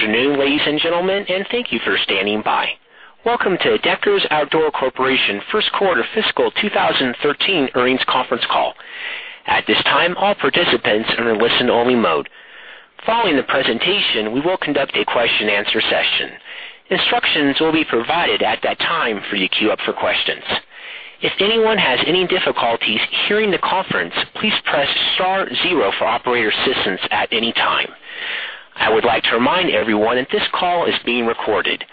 Please stand by. Good afternoon, ladies and gentlemen, and thank you for standing by. Welcome to Deckers Outdoor Corporation first quarter fiscal 2013 earnings conference call. At this time, all participants are in listen-only mode. Following the presentation, we will conduct a question and answer session. Instructions will be provided at that time for you to queue up for questions. If anyone has any difficulties hearing the conference, please press star zero for operator assistance at any time. I would like to remind everyone that this call is being recorded.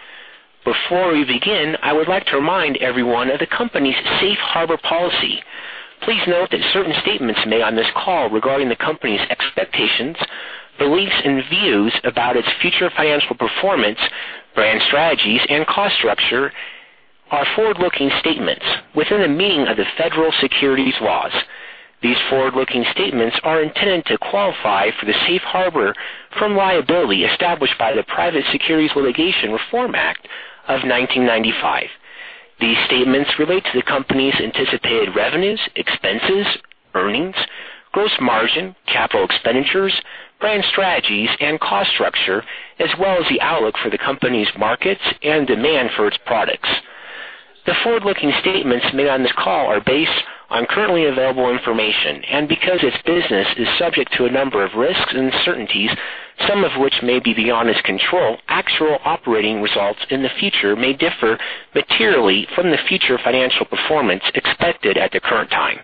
Before we begin, I would like to remind everyone of the company's safe harbor policy. Please note that certain statements made on this call regarding the company's expectations, beliefs, and views about its future financial performance, brand strategies, and cost structure are forward-looking statements within the meaning of the federal securities laws. These forward-looking statements are intended to qualify for the safe harbor from liability established by the Private Securities Litigation Reform Act of 1995. These statements relate to the company's anticipated revenues, expenses, earnings, gross margin, capital expenditures, brand strategies, and cost structure, as well as the outlook for the company's markets and demand for its products. The forward-looking statements made on this call are based on currently available information, and because its business is subject to a number of risks and uncertainties, some of which may be beyond its control, actual operating results in the future may differ materially from the future financial performance expected at the current time.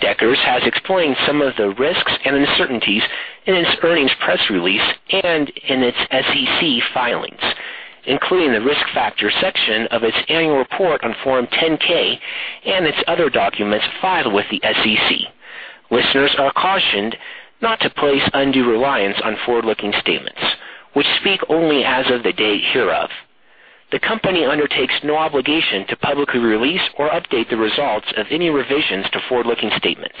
Deckers has explained some of the risks and uncertainties in its earnings press release and in its SEC filings, including the Risk Factors section of its annual report on Form 10-K and its other documents filed with the SEC. Listeners are cautioned not to place undue reliance on forward-looking statements, which speak only as of the date hereof. The company undertakes no obligation to publicly release or update the results of any revisions to forward-looking statements.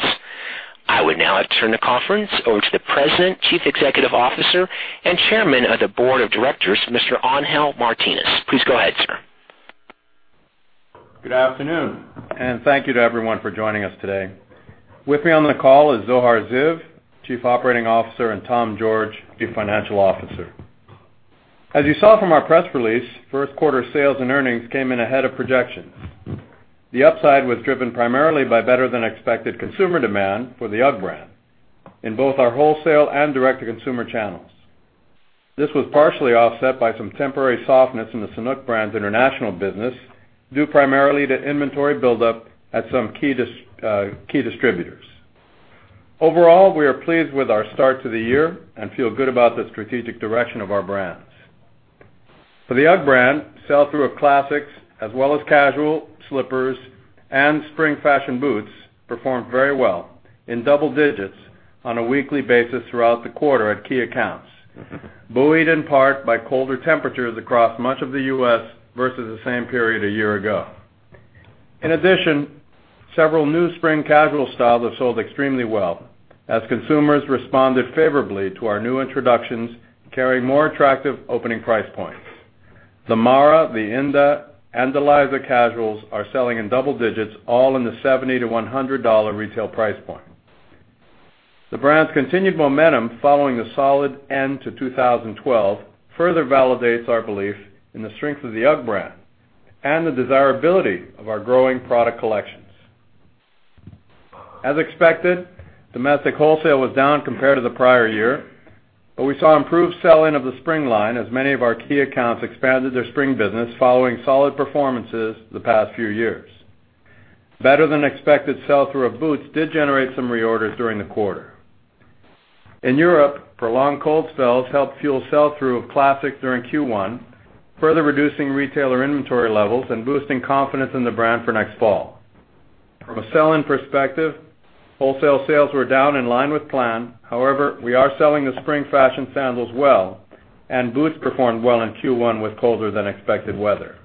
I would now like to turn the conference over to the President, Chief Executive Officer, and Chairman of the Board of Directors, Mr. Angel Martinez. Please go ahead, sir. Good afternoon, and thank you to everyone for joining us today. With me on the call is Zohar Ziv, Chief Operating Officer, and Tom George, Chief Financial Officer. As you saw from our press release, first quarter sales and earnings came in ahead of projections. The upside was driven primarily by better-than-expected consumer demand for the UGG brand in both our wholesale and direct-to-consumer channels. This was partially offset by some temporary softness in the Sanuk brand's international business, due primarily to inventory buildup at some key distributors. Overall, we are pleased with our start to the year and feel good about the strategic direction of our brands. For the UGG brand, sell-through of classics as well as casual slippers and spring fashion boots performed very well in double digits on a weekly basis throughout the quarter at key accounts, buoyed in part by colder temperatures across much of the U.S. versus the same period a year ago. In addition, several new spring casual styles have sold extremely well as consumers responded favorably to our new introductions carrying more attractive opening price points. The Mara, the Indah, and Elisa casuals are selling in double digits, all in the $70-$100 retail price point. The brand's continued momentum following a solid end to 2012 further validates our belief in the strength of the UGG brand and the desirability of our growing product collections. As expected, domestic wholesale was down compared to the prior year. We saw improved selling of the spring line as many of our key accounts expanded their spring business following solid performances the past few years. Better-than-expected sell-through of boots did generate some reorders during the quarter. In Europe, prolonged cold spells helped fuel sell-through of classic during Q1, further reducing retailer inventory levels and boosting confidence in the brand for next fall. From a sell-in perspective, wholesale sales were down in line with plan. We are selling the spring fashion sandals well, and boots performed well in Q1 with colder-than-expected weather.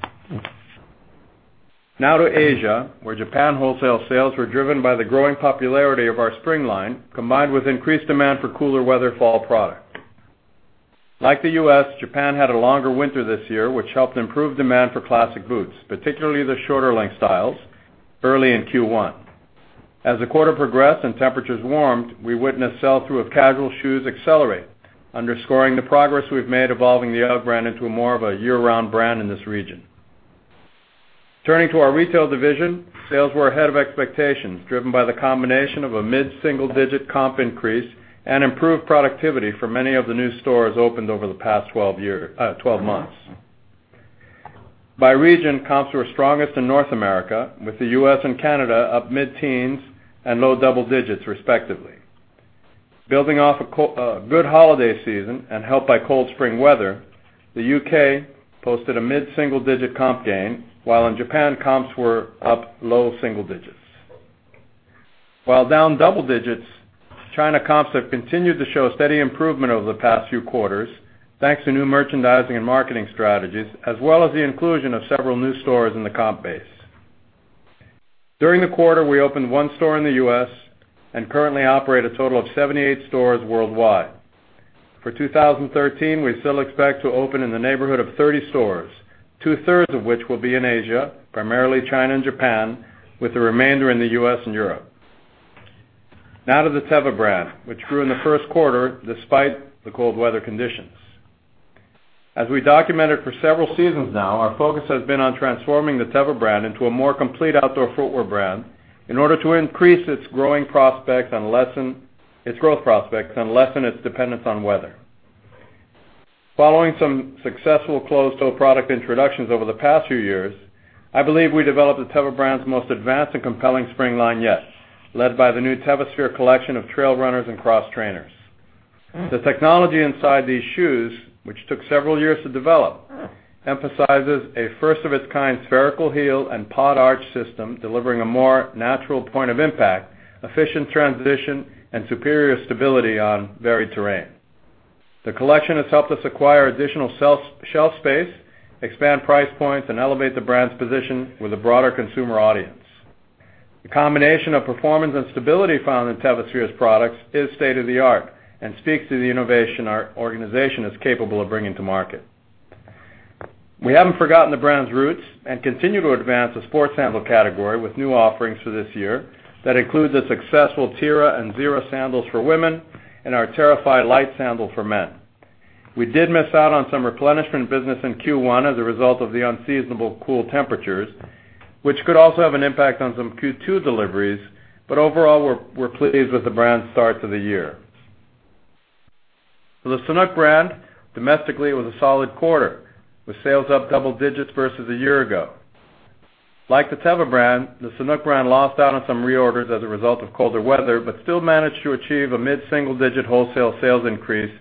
Now to Asia, where Japan wholesale sales were driven by the growing popularity of our spring line, combined with increased demand for cooler weather fall product. Like the U.S., Japan had a longer winter this year, which helped improve demand for classic boots, particularly the shorter length styles early in Q1. As the quarter progressed and temperatures warmed, we witnessed sell-through of casual shoes accelerate, underscoring the progress we've made evolving the UGG brand into more of a year-round brand in this region. Turning to our retail division, sales were ahead of expectations, driven by the combination of a mid-single-digit comp increase and improved productivity for many of the new stores opened over the past 12 months. By region, comps were strongest in North America, with the U.S. and Canada up mid-teens and low double digits, respectively. Building off a good holiday season and helped by cold spring weather, the U.K. posted a mid-single-digit comp gain, while in Japan, comps were up low single digits. While down double digits, China comps have continued to show steady improvement over the past few quarters, thanks to new merchandising and marketing strategies, as well as the inclusion of several new stores in the comp base. During the quarter, we opened one store in the U.S. and currently operate a total of 78 stores worldwide. For 2013, we still expect to open in the neighborhood of 30 stores, two-thirds of which will be in Asia, primarily China and Japan, with the remainder in the U.S. and Europe. Now to the Teva brand, which grew in the first quarter despite the cold weather conditions. As we documented for several seasons now, our focus has been on transforming the Teva brand into a more complete outdoor footwear brand in order to increase its growth prospects and lessen its dependence on weather. Following some successful close-toe product introductions over the past few years, I believe we developed the Teva brand's most advanced and compelling spring line yet, led by the new TevaSphere collection of trail runners and cross-trainers. The technology inside these shoes, which took several years to develop, emphasizes a first-of-its-kind spherical heel and pod arch system, delivering a more natural point of impact, efficient transition, and superior stability on varied terrain. The collection has helped us acquire additional shelf space, expand price points, and elevate the brand's position with a broader consumer audience. The combination of performance and stability found in TevaSphere's products is state-of-the-art and speaks to the innovation our organization is capable of bringing to market. We haven't forgotten the brand's roots and continue to advance the sports sandal category with new offerings for this year that includes the successful Tirra and Zilch sandals for women and our Terra-Fi Lite sandal for men. We did miss out on some replenishment business in Q1 as a result of the unseasonable cool temperatures, which could also have an impact on some Q2 deliveries, but overall, we're pleased with the brand's start to the year. For the Sanuk brand, domestically, it was a solid quarter, with sales up double digits versus a year ago. Like the Teva brand, the Sanuk brand lost out on some reorders as a result of colder weather, but still managed to achieve a mid-single-digit wholesale sales increase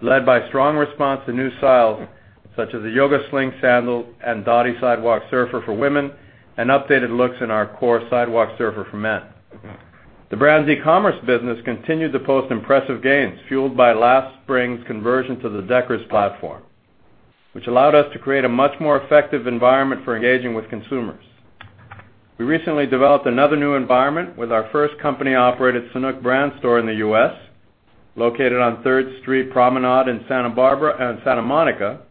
led by strong response to new styles such as the Yoga Sling sandal and Hot Dotty Sidewalk Surfer for women, and updated looks in our core Sidewalk Surfer for men. The brand's e-commerce business continued to post impressive gains fueled by last spring's conversion to the Deckers platform, which allowed us to create a much more effective environment for engaging with consumers. We recently developed another new environment with our first company-operated Sanuk brand store in the U.S., located on Third Street Promenade in Santa Monica.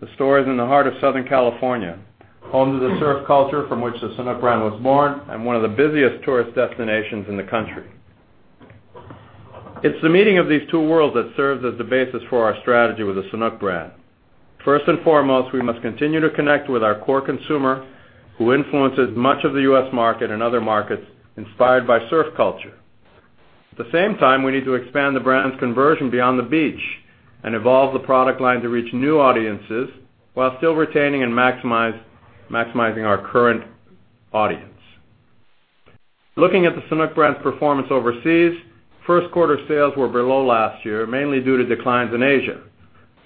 The store is in the heart of Southern California, home to the surf culture from which the Sanuk brand was born and one of the busiest tourist destinations in the country. It's the meeting of these two worlds that serves as the basis for our strategy with the Sanuk brand. First and foremost, we must continue to connect with our core consumer, who influences much of the U.S. market and other markets inspired by surf culture. At the same time, we need to expand the brand's conversion beyond the beach and evolve the product line to reach new audiences while still retaining and maximizing our current audience. Looking at the Sanuk brand's performance overseas, first quarter sales were below last year, mainly due to declines in Asia.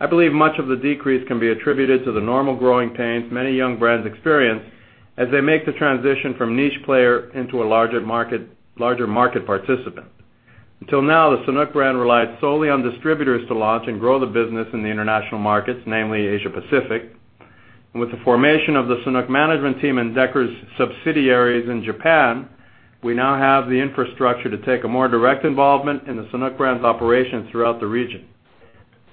I believe much of the decrease can be attributed to the normal growing pains many young brands experience as they make the transition from niche player into a larger market participant. Until now, the Sanuk brand relied solely on distributors to launch and grow the business in the international markets, namely Asia-Pacific. With the formation of the Sanuk management team and Deckers' subsidiaries in Japan, we now have the infrastructure to take a more direct involvement in the Sanuk brand's operations throughout the region.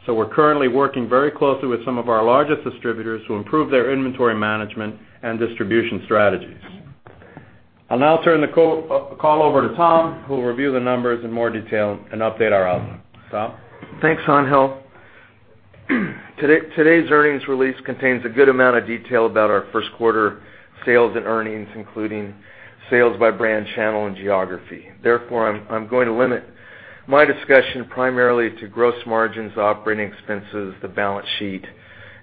We're currently working very closely with some of our largest distributors to improve their inventory management and distribution strategies. I'll now turn the call over to Tom, who will review the numbers in more detail and update our outlook. Tom? Thanks, Angel. Today's earnings release contains a good amount of detail about our first quarter sales and earnings, including sales by brand, channel, and geography. Therefore, I'm going to limit my discussion primarily to gross margins, operating expenses, the balance sheet,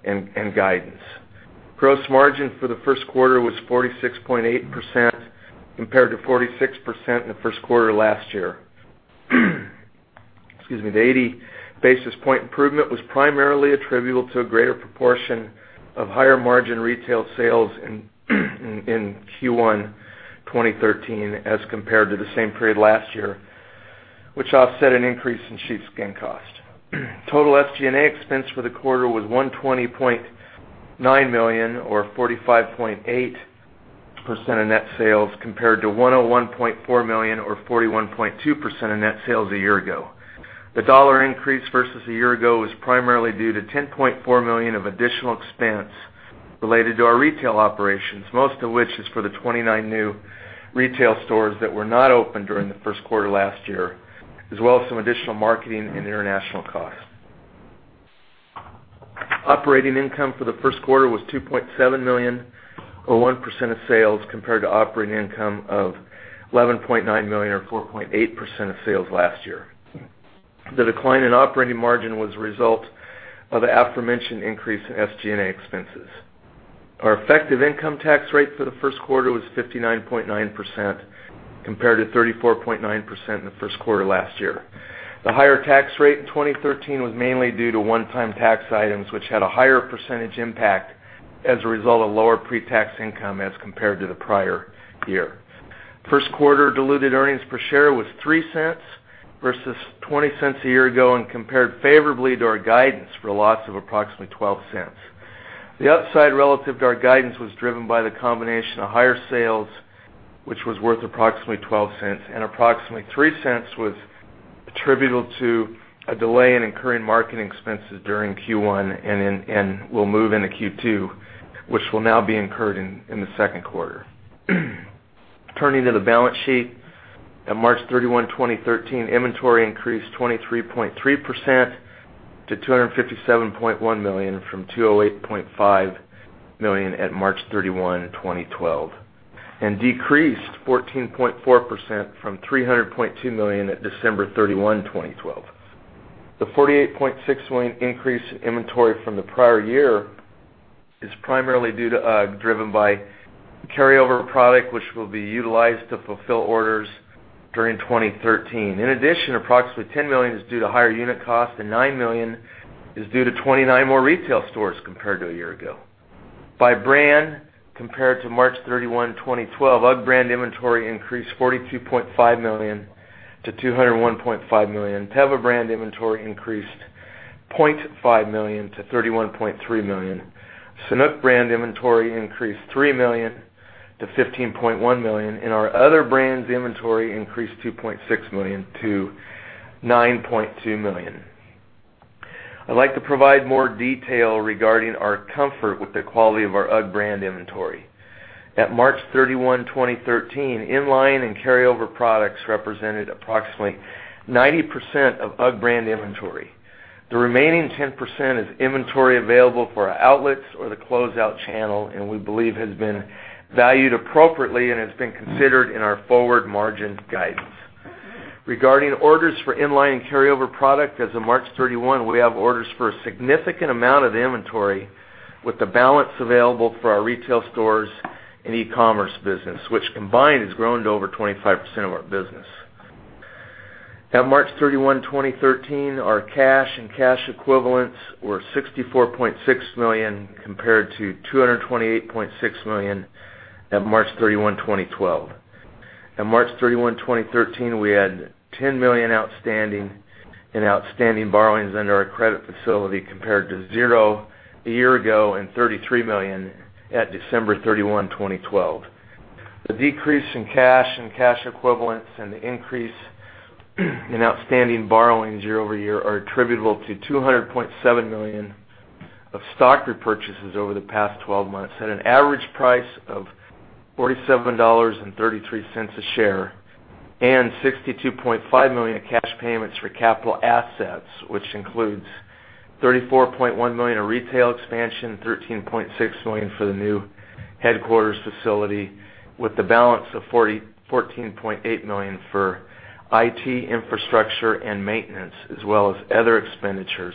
and guidance. Gross margin for the first quarter was 46.8% compared to 46% in the first quarter last year. Excuse me. The 80 basis point improvement was primarily attributable to a greater proportion of higher-margin retail sales in Q1 2013 as compared to the same period last year, which offset an increase in sheepskin cost. Total SG&A expense for the quarter was $120.9 million or 45.8% of net sales, compared to $101.4 million or 41.2% of net sales a year ago. The dollar increase versus a year ago was primarily due to $10.4 million of additional expense related to our retail operations, most of which is for the 29 new retail stores that were not open during the first quarter last year, as well as some additional marketing and international costs. Operating income for the first quarter was $2.7 million, or 1% of sales, compared to operating income of $11.9 million or 4.8% of sales last year. The decline in operating margin was a result of the aforementioned increase in SG&A expenses. Our effective income tax rate for the first quarter was 59.9%, compared to 34.9% in the first quarter last year. The higher tax rate in 2013 was mainly due to one-time tax items, which had a higher percentage impact as a result of lower pre-tax income as compared to the prior year. First quarter diluted earnings per share was $0.03 versus $0.20 a year ago and compared favorably to our guidance for a loss of approximately $0.12. The upside relative to our guidance was driven by the combination of higher sales which was worth approximately $0.12, and approximately $0.03 was attributable to a delay in incurring marketing expenses during Q1, and will move into Q2, which will now be incurred in the second quarter. Turning to the balance sheet, at March 31, 2013, inventory increased 23.3% to $257.1 million from $208.5 million at March 31, 2012, and decreased 14.4% from $300.2 million at December 31, 2012. The $48.6 million increase in inventory from the prior year is primarily driven by carryover product, which will be utilized to fulfill orders during 2013. In addition, approximately $10 million is due to higher unit cost and $9 million is due to 29 more retail stores compared to a year ago. By brand, compared to March 31, 2012, UGG brand inventory increased $42.5 million to $201.5 million. Teva brand inventory increased $0.5 million to $31.3 million. Sanuk brand inventory increased $3 million to $15.1 million. Our other brands inventory increased $2.6 million to $9.2 million. I'd like to provide more detail regarding our comfort with the quality of our UGG brand inventory. At March 31, 2013, inline and carryover products represented approximately 90% of UGG brand inventory. The remaining 10% is inventory available for our outlets or the closeout channel, and we believe has been valued appropriately and has been considered in our forward margin guidance. Regarding orders for inline and carryover product, as of March 31, we have orders for a significant amount of inventory with the balance available for our retail stores and e-commerce business, which combined has grown to over 25% of our business. At March 31, 2013, our cash and cash equivalents were $64.6 million, compared to $228.6 million at March 31, 2012. At March 31, 2013, we had $10 million outstanding in outstanding borrowings under our credit facility, compared to 0 a year ago and $33 million at December 31, 2012. The decrease in cash and cash equivalents and the increase in outstanding borrowings year-over-year are attributable to $200.7 million of stock repurchases over the past 12 months, at an average price of $47.33 a share. $62.5 million of cash payments for capital assets, which includes $34.1 million of retail expansion, $13.6 million for the new headquarters facility, with the balance of $14.8 million for IT infrastructure and maintenance, as well as other expenditures,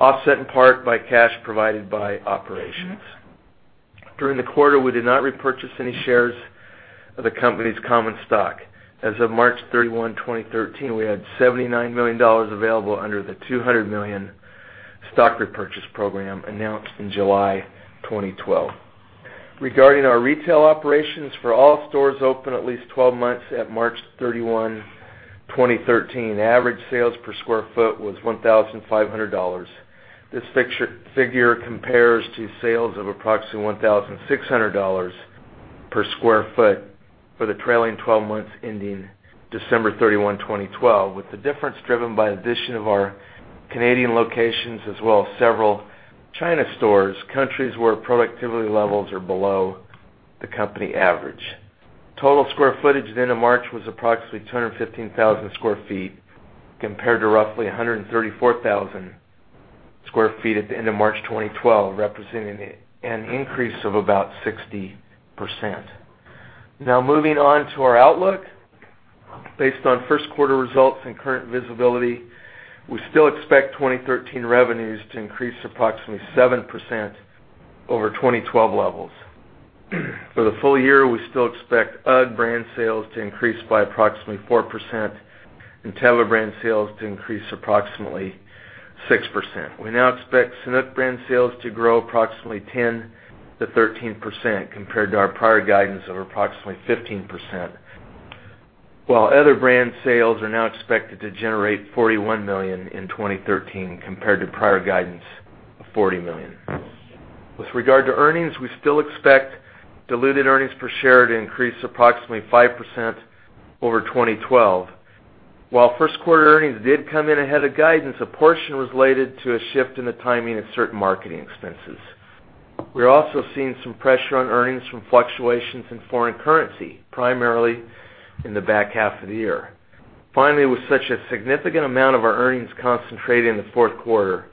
offset in part by cash provided by operations. During the quarter, we did not repurchase any shares of the company's common stock. As of March 31, 2013, we had $79 million available under the $200 million stock repurchase program announced in July 2012. Regarding our retail operations, for all stores open at least 12 months at March 31, 2013, average sales per square foot was $1,500. This figure compares to sales of approximately $1,600 per square foot for the trailing 12 months ending December 31, 2012, with the difference driven by addition of our Canadian locations as well as several China stores, countries where productivity levels are below the company average. Total square footage at the end of March was approximately 215,000 square feet, compared to roughly 134,000 square feet at the end of March 2012, representing an increase of about 60%. Moving on to our outlook. Based on first quarter results and current visibility, we still expect 2013 revenues to increase approximately 7% over 2012 levels. For the full year, we still expect UGG brand sales to increase by approximately 4% and Teva brand sales to increase approximately 6%. We now expect Sanuk brand sales to grow approximately 10% to 13%, compared to our prior guidance of approximately 15%, while other brand sales are now expected to generate $41 million in 2013 compared to prior guidance of $40 million. With regard to earnings, we still expect diluted earnings per share to increase approximately 5% over 2012. While first quarter earnings did come in ahead of guidance, a portion was related to a shift in the timing of certain marketing expenses. We're also seeing some pressure on earnings from fluctuations in foreign currency, primarily in the back half of the year. Finally, with such a significant amount of our earnings concentrated in the fourth quarter,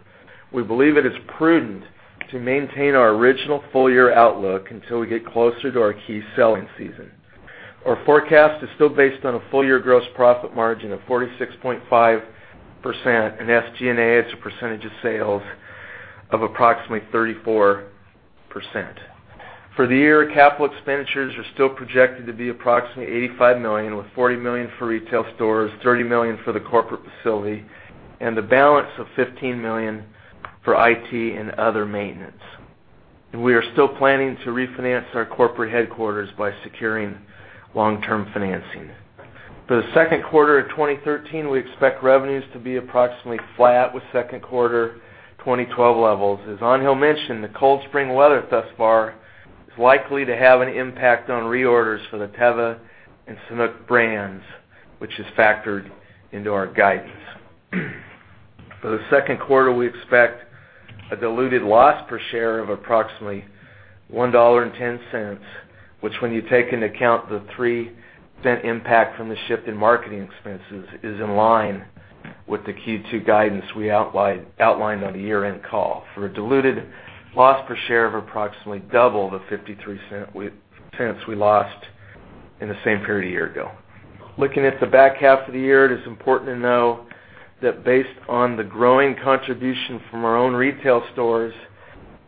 we believe it is prudent to maintain our original full year outlook until we get closer to our key selling season. Our forecast is still based on a full year gross profit margin of 46.5% and SG&A as a percentage of sales of approximately 34%. For the year, capital expenditures are still projected to be approximately $85 million, with $40 million for retail stores, $30 million for the corporate facility, and the balance of $15 million for IT and other maintenance. We are still planning to refinance our corporate headquarters by securing long-term financing. For the second quarter of 2013, we expect revenues to be approximately flat with second quarter 2012 levels. As Angel mentioned, the cold spring weather thus far is likely to have an impact on reorders for the Teva and Sanuk brands, which is factored into our guidance. For the second quarter, we expect a diluted loss per share of approximately $1.10, which, when you take into account the $0.03 impact from the shift in marketing expenses, is in line with the Q2 guidance we outlined on the year-end call. For a diluted loss per share of approximately double the $0.53 we lost in the same period a year ago. Looking at the back half of the year, it is important to know that based on the growing contribution from our own retail stores,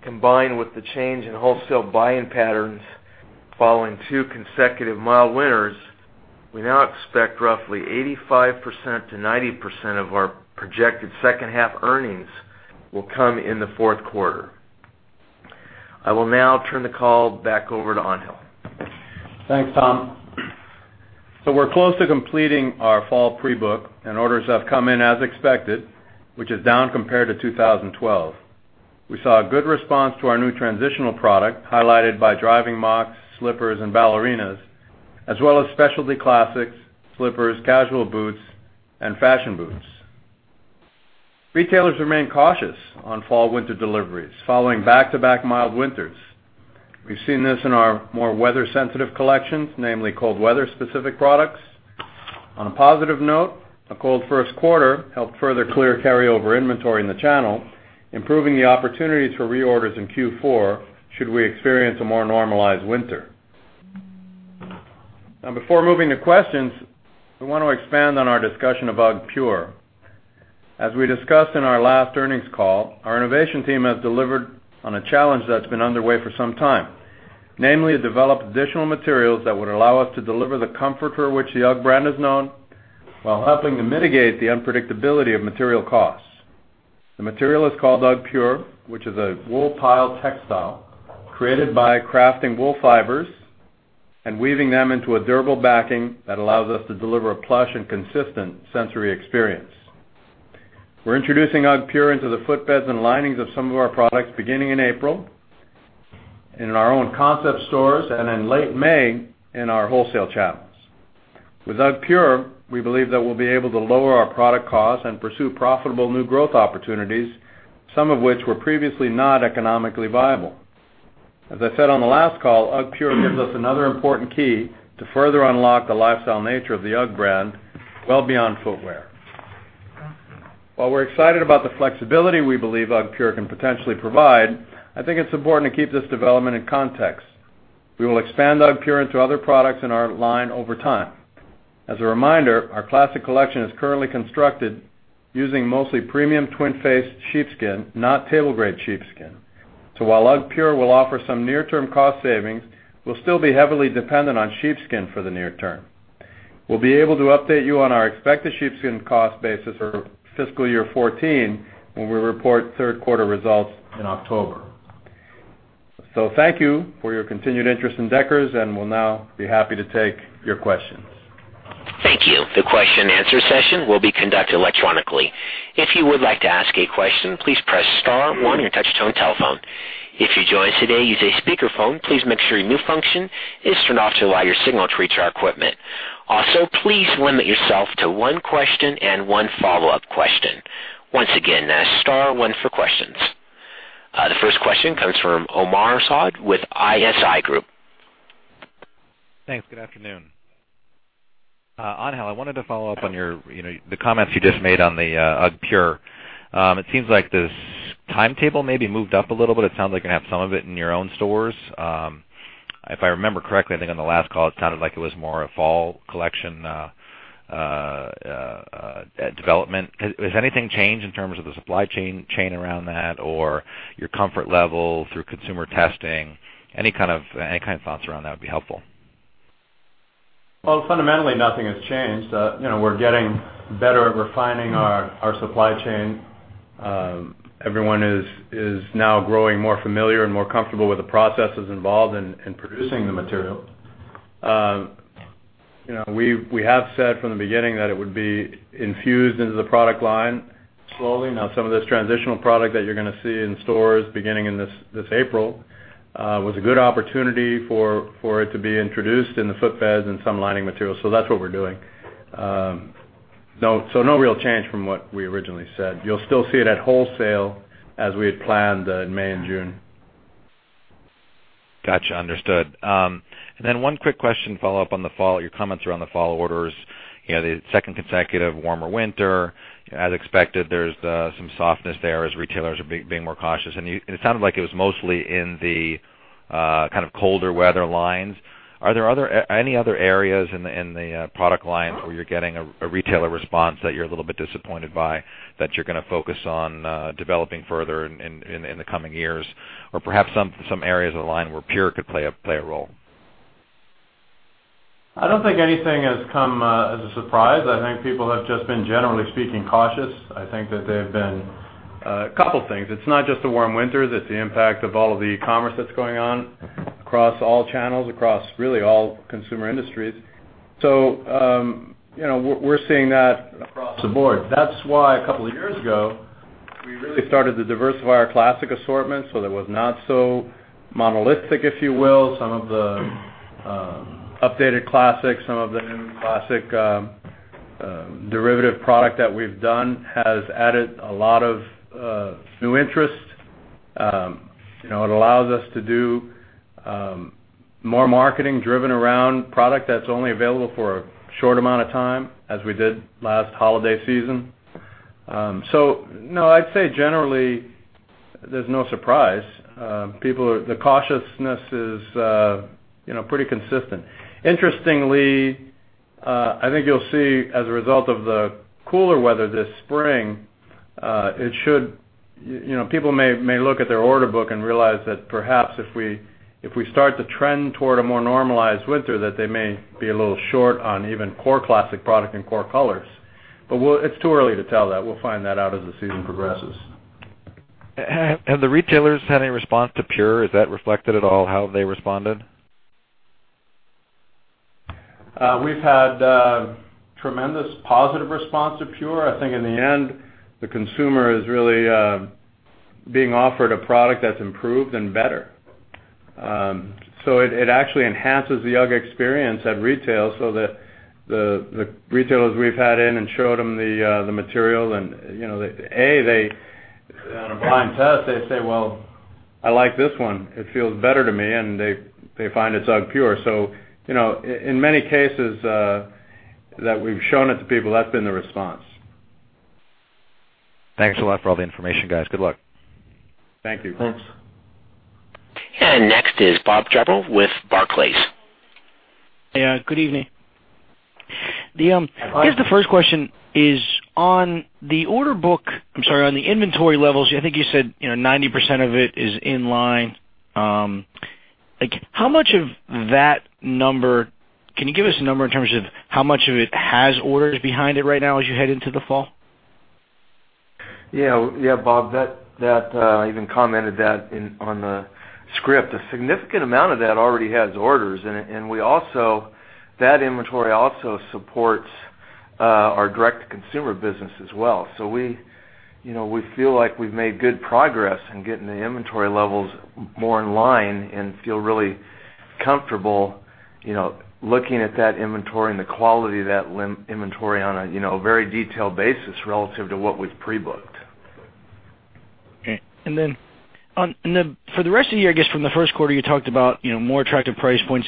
combined with the change in wholesale buying patterns following two consecutive mild winters, we now expect roughly 85%-90% of our projected second half earnings will come in the fourth quarter. I will now turn the call back over to Angel. Thanks, Tom. We're close to completing our fall pre-book, and orders have come in as expected, which is down compared to 2012. We saw a good response to our new transitional product, highlighted by driving mocs, slippers, and ballerinas, as well as specialty classics, slippers, casual boots, and fashion boots. Retailers remain cautious on fall/winter deliveries following back-to-back mild winters. We've seen this in our more weather-sensitive collections, namely cold weather-specific products. On a positive note, a cold first quarter helped further clear carryover inventory in the channel, improving the opportunities for reorders in Q4 should we experience a more normalized winter. Before moving to questions, I want to expand on our discussion of UGGpure. As we discussed in our last earnings call, our innovation team has delivered on a challenge that's been underway for some time. Namely, to develop additional materials that would allow us to deliver the comfort for which the UGG brand is known, while helping to mitigate the unpredictability of material costs. The material is called UGGpure, which is a wool pile textile created by crafting wool fibers and weaving them into a durable backing that allows us to deliver a plush and consistent sensory experience. We're introducing UGGpure into the foot beds and linings of some of our products beginning in April in our own concept stores, and in late May in our wholesale channels. With UGGpure, we believe that we'll be able to lower our product costs and pursue profitable new growth opportunities, some of which were previously not economically viable. As I said on the last call, UGGpure gives us another important key to further unlock the lifestyle nature of the UGG brand well beyond footwear. While we're excited about the flexibility we believe UGGpure can potentially provide, I think it's important to keep this development in context. We will expand UGGpure into other products in our line over time. As a reminder, our classic collection is currently constructed using mostly premium twin-faced sheepskin, not table-grade sheepskin. While UGGpure will offer some near-term cost savings, we'll still be heavily dependent on sheepskin for the near term. We'll be able to update you on our expected sheepskin cost basis for fiscal year 2014 when we report third-quarter results in October. Thank you for your continued interest in Deckers, and we'll now be happy to take your questions. Thank you. The question and answer session will be conducted electronically. If you would like to ask a question, please press star one on your touch-tone telephone. If you join today using a speakerphone, please make sure your mute function is turned off to allow your signal to reach our equipment. Also, please limit yourself to one question and one follow-up question. Once again, star one for questions. The first question comes from Omar Saad with ISI Group. Thanks. Good afternoon. Angel, I wanted to follow up on the comments you just made on the UGGpure. It seems like this timetable maybe moved up a little bit. It sounds like you're going to have some of it in your own stores. If I remember correctly, I think on the last call, it sounded like it was more a fall collection development. Has anything changed in terms of the supply chain around that, or your comfort level through consumer testing? Any kind thoughts around that would be helpful. Fundamentally nothing has changed. We're getting better at refining our supply chain. Everyone is now growing more familiar and more comfortable with the processes involved in producing the material. We have said from the beginning that it would be infused into the product line slowly. Some of this transitional product that you're going to see in stores beginning this April was a good opportunity for it to be introduced in the footbeds and some lining materials. That's what we're doing. No real change from what we originally said. You'll still see it at wholesale as we had planned in May and June. Got you. Understood. One quick question follow-up on your comments around the fall orders. The second consecutive warmer winter. As expected, there's some softness there as retailers are being more cautious. It sounded like it was mostly in the colder weather lines. Are there any other areas in the product line where you're getting a retailer response that you're a little bit disappointed by, that you're going to focus on developing further in the coming years? Or perhaps some areas of the line where pure could play a role. I don't think anything has come as a surprise. I think people have just been, generally speaking, cautious. I think that they've been a couple things. It's not just the warm winters, it's the impact of all of the commerce that's going on across all channels, across really all consumer industries. We're seeing that across the board. That's why a couple of years ago, we really started to diversify our classic assortment so that it was not so monolithic, if you will. Some of the updated classics, some of the new classic derivative product that we've done, has added a lot of new interest. It allows us to do more marketing driven around product that's only available for a short amount of time, as we did last holiday season. No, I'd say generally, there's no surprise. The cautiousness is pretty consistent. Interestingly, I think you'll see as a result of the cooler weather this spring, people may look at their order book and realize that perhaps if we start to trend toward a more normalized winter, that they may be a little short on even core classic product and core colors. It's too early to tell that. We'll find that out as the season progresses. Have the retailers had any response to UGGpure? Is that reflected at all how they responded? We've had tremendous positive response to UGGpure. I think in the end, the consumer is really being offered a product that's improved and better. It actually enhances the UGG experience at retail so that the retailers we've had in and showed them the material on a blind test, they say, "Well, I like this one. It feels better to me," and they find it's UGGpure. In many cases, that we've shown it to people, that's been the response. Thanks a lot for all the information, guys. Good luck. Thank you. Thanks. Next is Bob Drbul with Barclays. Yeah, good evening. I guess the first question is on the order book, I'm sorry, on the inventory levels, I think you said 90% of it is in line. Can you give us a number in terms of how much of it has orders behind it right now as you head into the fall? Yeah, Bob. I even commented that on the script. A significant amount of that already has orders, and that inventory also supports our direct-to-consumer business as well. We feel like we've made good progress in getting the inventory levels more in line and feel really comfortable looking at that inventory and the quality of that inventory on a very detailed basis relative to what we've pre-booked. Okay. For the rest of the year, I guess from the first quarter, you talked about more attractive price points.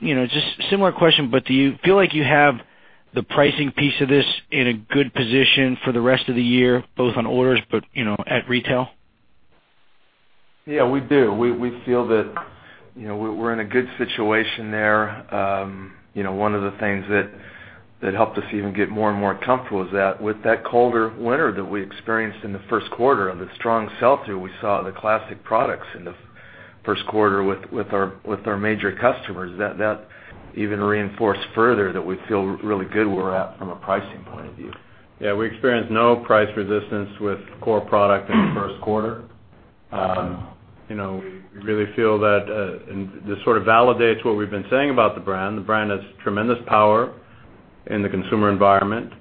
Just a similar question, but do you feel like you have the pricing piece of this in a good position for the rest of the year, both on orders, but at retail? Yeah, we do. We feel that we're in a good situation there. One of the things that helped us even get more and more comfortable is that with that colder winter that we experienced in the first quarter, and the strong sell-through we saw in the classic products in the first quarter with our major customers, that even reinforced further that we feel really good where we're at from a pricing point of view. Yeah. We experienced no price resistance with core product in the first quarter. We really feel that this sort of validates what we've been saying about the brand. The brand has tremendous power in the consumer environment,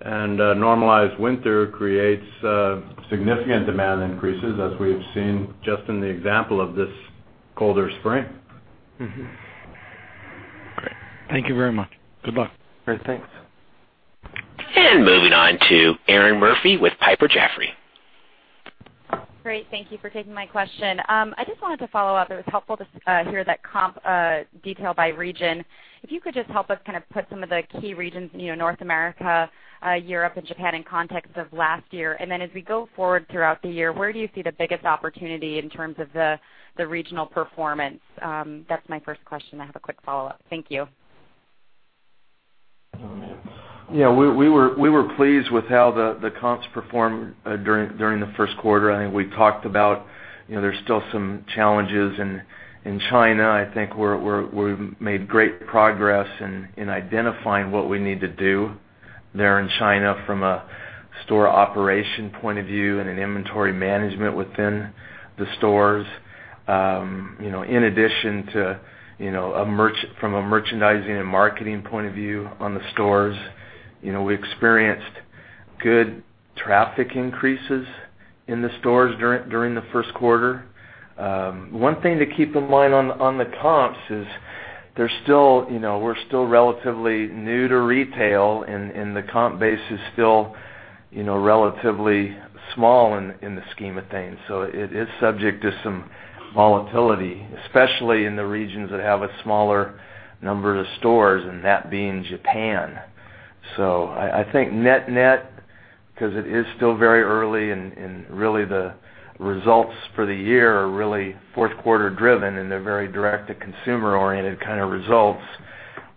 a normalized winter creates significant demand increases, as we've seen just in the example of this colder spring. Great. Thank you very much. Good luck. Great. Thanks. Moving on to Erinn Murphy with Piper Jaffray. Great. Thank you for taking my question. I just wanted to follow up. It was helpful to hear that comp detail by region. If you could just help us kind of put some of the key regions, North America, Europe, and Japan, in context of last year. Then as we go forward throughout the year, where do you see the biggest opportunity in terms of the regional performance? That's my first question. I have a quick follow-up. Thank you. We were pleased with how the comps performed during the first quarter. I think we talked about there's still some challenges in China. I think we've made great progress in identifying what we need to do there in China from a store operation point of view and an inventory management within the stores. In addition to from a merchandising and marketing point of view on the stores, we experienced good traffic increases in the stores during the first quarter. One thing to keep in mind on the comps is we're still relatively new to retail and the comp base is still relatively small in the scheme of things. It is subject to some volatility, especially in the regions that have a smaller number of stores, and that being Japan. I think net-net, because it is still very early and really the results for the year are really fourth quarter driven and they're very direct to consumer oriented kind of results,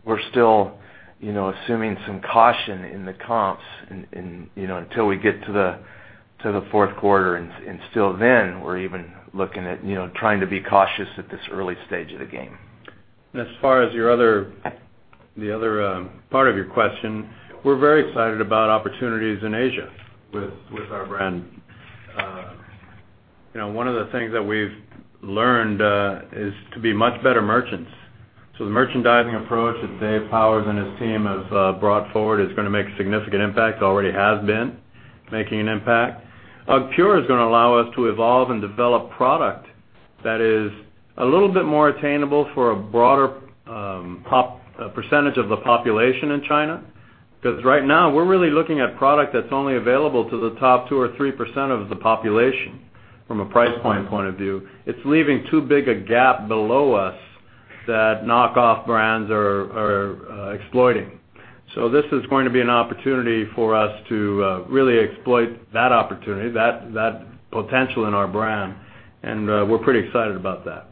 we're still assuming some caution in the comps until we get to the fourth quarter, and still then, we're even looking at trying to be cautious at this early stage of the game. As far as the other part of your question, we're very excited about opportunities in Asia with our brand. One of the things that we've learned is to be much better merchants. The merchandising approach that David Powers and his team have brought forward is going to make a significant impact, already has been making an impact. UGGpure is going to allow us to evolve and develop product that is a little bit more attainable for a broader percentage of the population in China. Right now, we're really looking at product that's only available to the top 2% or 3% of the population from a price point point of view. It's leaving too big a gap below us that knockoff brands are exploiting. This is going to be an opportunity for us to really exploit that opportunity, that potential in our brand, and we're pretty excited about that.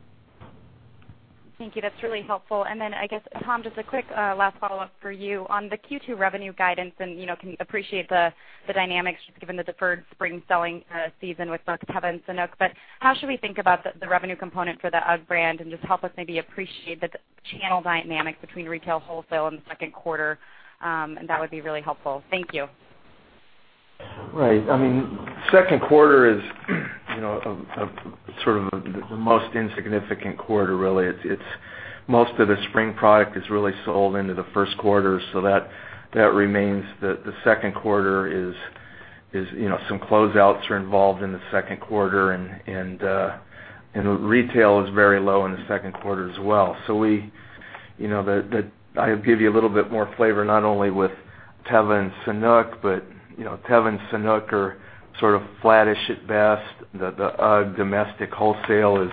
Thank you. That's really helpful. I guess, Tom, just a quick last follow-up for you. On the Q2 revenue guidance, and can appreciate the dynamics given the deferred spring selling season with both Teva and Sanuk. How should we think about the revenue component for the UGG brand? Just help us maybe appreciate the channel dynamics between retail wholesale in the second quarter, and that would be really helpful. Thank you. Right. Second quarter is sort of the most insignificant quarter, really. Most of the spring product is really sold into the first quarter, so that remains. The second quarter, some closeouts are involved in the second quarter, and the retail is very low in the second quarter as well. I'll give you a little bit more flavor, not only with Teva and Sanuk, but Teva and Sanuk are sort of flattish at best. The UGG domestic wholesale is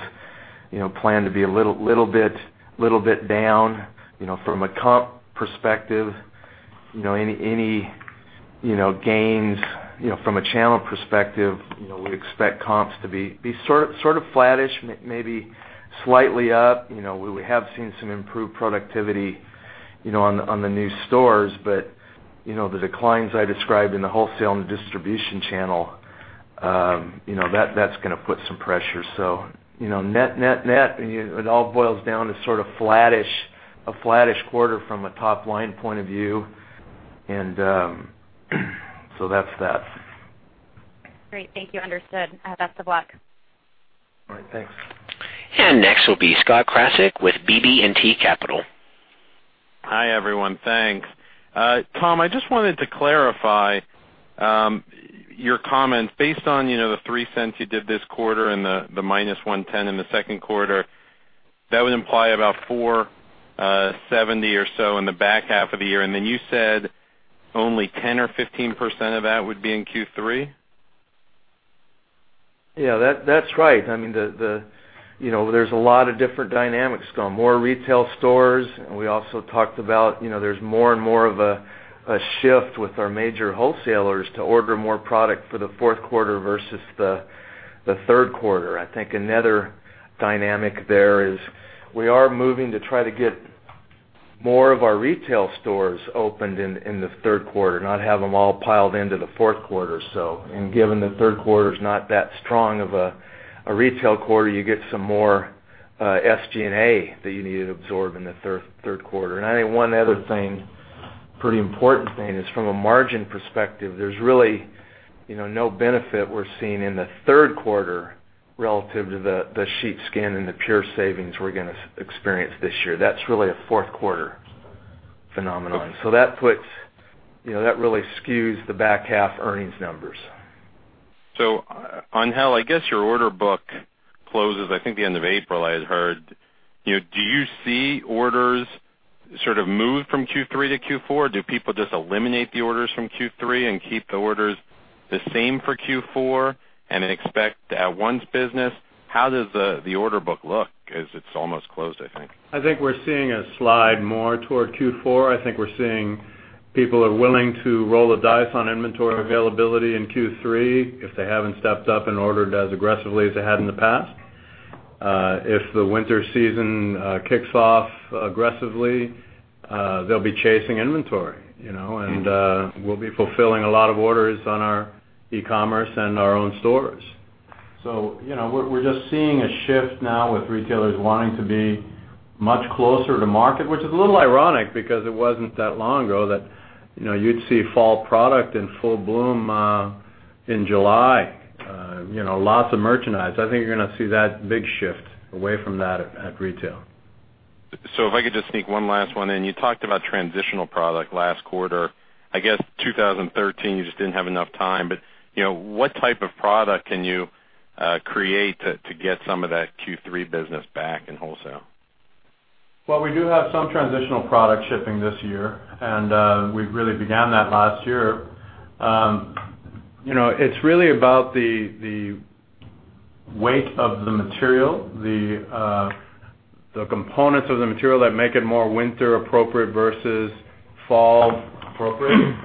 planned to be a little bit down. From a comp perspective, any gains from a channel perspective, we expect comps to be sort of flattish, maybe slightly up. We have seen some improved productivity on the new stores, but the declines I described in the wholesale and the distribution channel, that's going to put some pressure. Net, net, it all boils down to sort of a flattish quarter from a top-line point of view. That's that. Great. Thank you. Understood. Best of luck. All right. Thanks. Next will be Scott Krasik with BB&T Capital. Hi, everyone. Thanks. Tom, I just wanted to clarify your comments. Based on the $0.03 you did this quarter and the -$1.10 in the second quarter, that would imply about $4.70 or so in the back half of the year. Then you said only 10% or 15% of that would be in Q3? Yeah, that's right. There's a lot of different dynamics going. More retail stores, we also talked about there's more and more of a shift with our major wholesalers to order more product for the fourth quarter versus the third quarter. I think another dynamic there is we are moving to try to get more of our retail stores opened in the third quarter, not have them all piled into the fourth quarter. Given the third quarter's not that strong of a retail quarter, you get some more SG&A that you need to absorb in the third quarter. I think one other thing, pretty important thing, is from a margin perspective, there's really no benefit we're seeing in the third quarter relative to the sheepskin and the pure savings we're going to experience this year. That's really a fourth quarter phenomenon. That really skews the back half earnings numbers. On how, I guess, your order book closes, I think the end of April, I had heard. Do you see orders sort of move from Q3 to Q4? Do people just eliminate the orders from Q3 and keep the orders the same for Q4 and expect at-once business? How does the order book look as it's almost closed, I think? I think we're seeing a slide more toward Q4. I think we're seeing people are willing to roll the dice on inventory availability in Q3 if they haven't stepped up and ordered as aggressively as they had in the past. If the winter season kicks off aggressively, they'll be chasing inventory, and we'll be fulfilling a lot of orders on our e-commerce and our own stores. We're just seeing a shift now with retailers wanting to be much closer to market, which is a little ironic because it wasn't that long ago that you'd see fall product in full bloom in July. Lots of merchandise. I think you're going to see that big shift away from that at retail. If I could just sneak one last one in. You talked about transitional product last quarter. I guess 2013, you just didn't have enough time, but what type of product can you create to get some of that Q3 business back in wholesale? Well, we do have some transitional product shipping this year, we've really begun that last year. It's really about the weight of the material, the components of the material that make it more winter appropriate versus fall appropriate.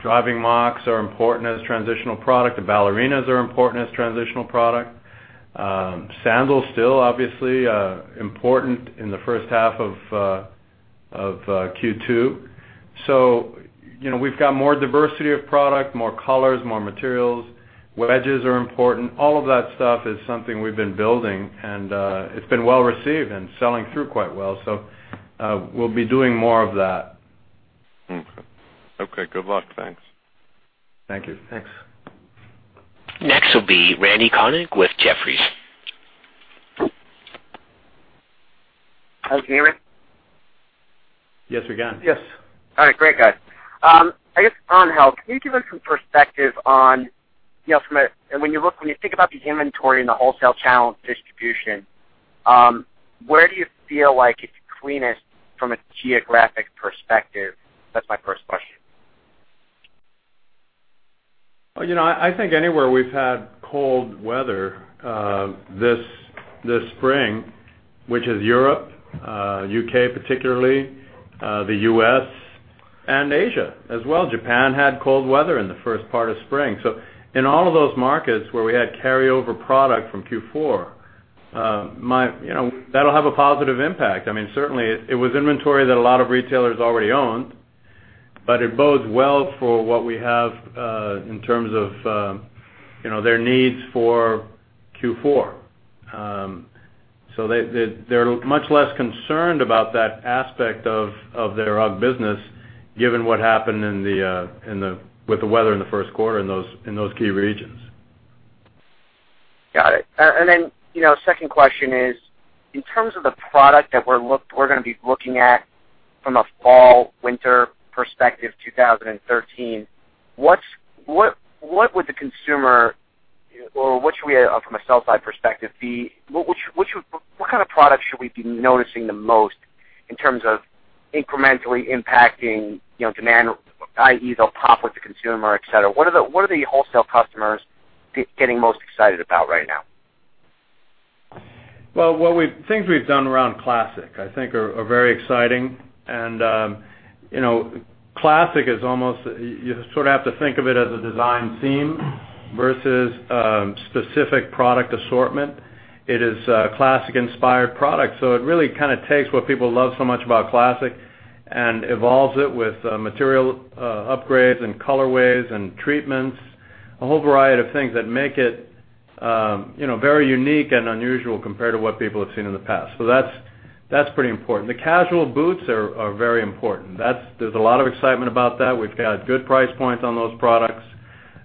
Driving mocs are important as transitional product. The ballerinas are important as transitional product. Sandals still obviously important in the first half of Q2. We've got more diversity of product, more colors, more materials. Wedges are important. All of that stuff is something we've been building, and it's been well-received and selling through quite well. We'll be doing more of that. Okay. Good luck. Thanks. Thank you. Thanks. Next will be Randal Konik with Jefferies. Can you hear me? Yes, we can. Yes. All right, great, guys. I guess, on health, can you give us some perspective on, when you think about the inventory in the wholesale channel distribution, where do you feel like it's cleanest from a geographic perspective? That's my first question. I think anywhere we've had cold weather this spring, which is Europe, U.K. particularly, the U.S., and Asia as well. Japan had cold weather in the first part of spring. In all of those markets where we had carryover product from Q4, that'll have a positive impact. Certainly, it was inventory that a lot of retailers already owned, but it bodes well for what we have in terms of their needs for Q4. They're much less concerned about that aspect of their UGG business, given what happened with the weather in the first quarter in those key regions. Got it. Second question is, in terms of the product that we're going to be looking at from a fall/winter perspective 2013, what would the consumer, or what should we, from a sell-side perspective, what kind of product should we be noticing the most in terms of incrementally impacting demand, i.e., they'll pop with the consumer, et cetera? What are the wholesale customers getting most excited about right now? Well, things we've done around classic, I think, are very exciting. Classic is almost, you sort of have to think of it as a design theme versus a specific product assortment. It is a classic inspired product. It really kind of takes what people love so much about classic and evolves it with material upgrades and colorways and treatments, a whole variety of things that make it very unique and unusual compared to what people have seen in the past. That's pretty important. The casual boots are very important. There's a lot of excitement about that. We've got good price points on those products.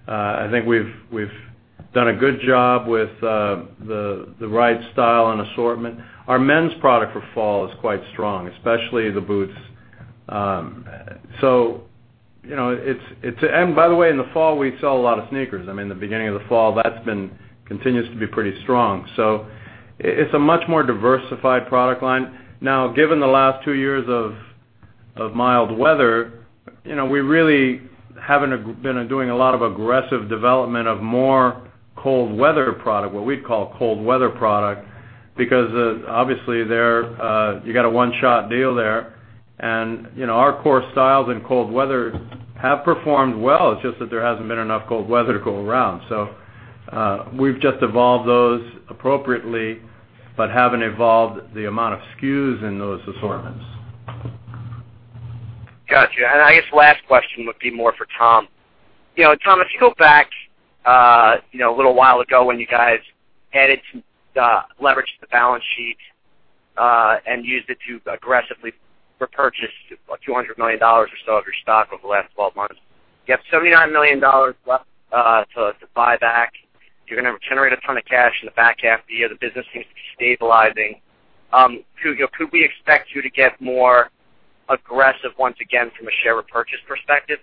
I think we've done a good job with the right style and assortment. Our men's product for fall is quite strong, especially the boots. By the way, in the fall, we sell a lot of sneakers. I mean, the beginning of the fall, that continues to be pretty strong. It's a much more diversified product line. Now, given the last two years of mild weather, we really haven't been doing a lot of aggressive development of more cold weather product, what we'd call cold weather product, because obviously, you got a one-shot deal there. Our core styles in cold weather have performed well. It's just that there hasn't been enough cold weather to go around. We've just evolved those appropriately, but haven't evolved the amount of SKUs in those assortments. Got you. I guess the last question would be more for Tom. Tom George, if you go back a little while ago when you guys added some leverage to the balance sheet and used it to aggressively repurchase $200 million or so of your stock over the last 12 months. You have $79 million left to buy back. You're going to generate a ton of cash in the back half of the year. The business seems to be stabilizing. Could we expect you to get more aggressive once again from a share repurchase perspective?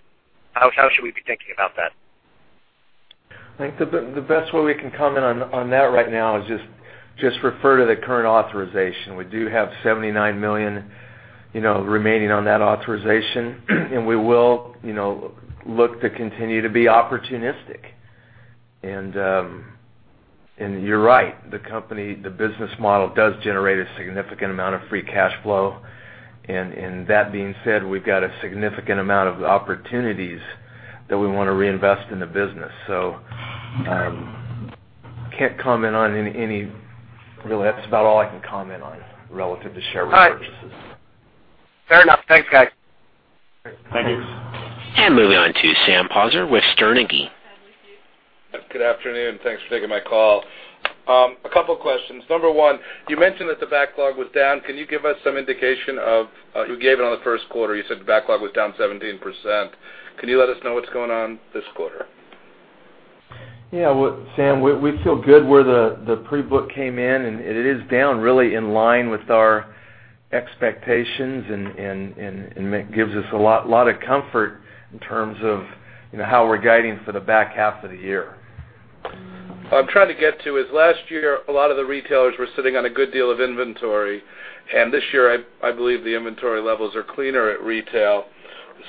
How should we be thinking about that? I think the best way we can comment on that right now is just refer to the current authorization. We do have $79 million remaining on that authorization, and we will look to continue to be opportunistic. You're right, the business model does generate a significant amount of free cash flow. That being said, we've got a significant amount of opportunities that we want to reinvest in the business. Can't comment on any, really, that's about all I can comment on relative to share repurchases. All right. Fair enough. Thanks, guys. Thank you. Moving on to Sam Poser with Sterne Agee. Sam with you. Good afternoon, thanks for taking my call. A couple questions. Number one, you mentioned that the backlog was down. Can you give us some indication of, you gave it on the first quarter, you said the backlog was down 17%. Can you let us know what's going on this quarter? Sam, we feel good where the pre-book came in, and it is down really in line with our expectations and gives us a lot of comfort in terms of how we're guiding for the back half of the year. What I'm trying to get to is last year, a lot of the retailers were sitting on a good deal of inventory, and this year, I believe the inventory levels are cleaner at retail.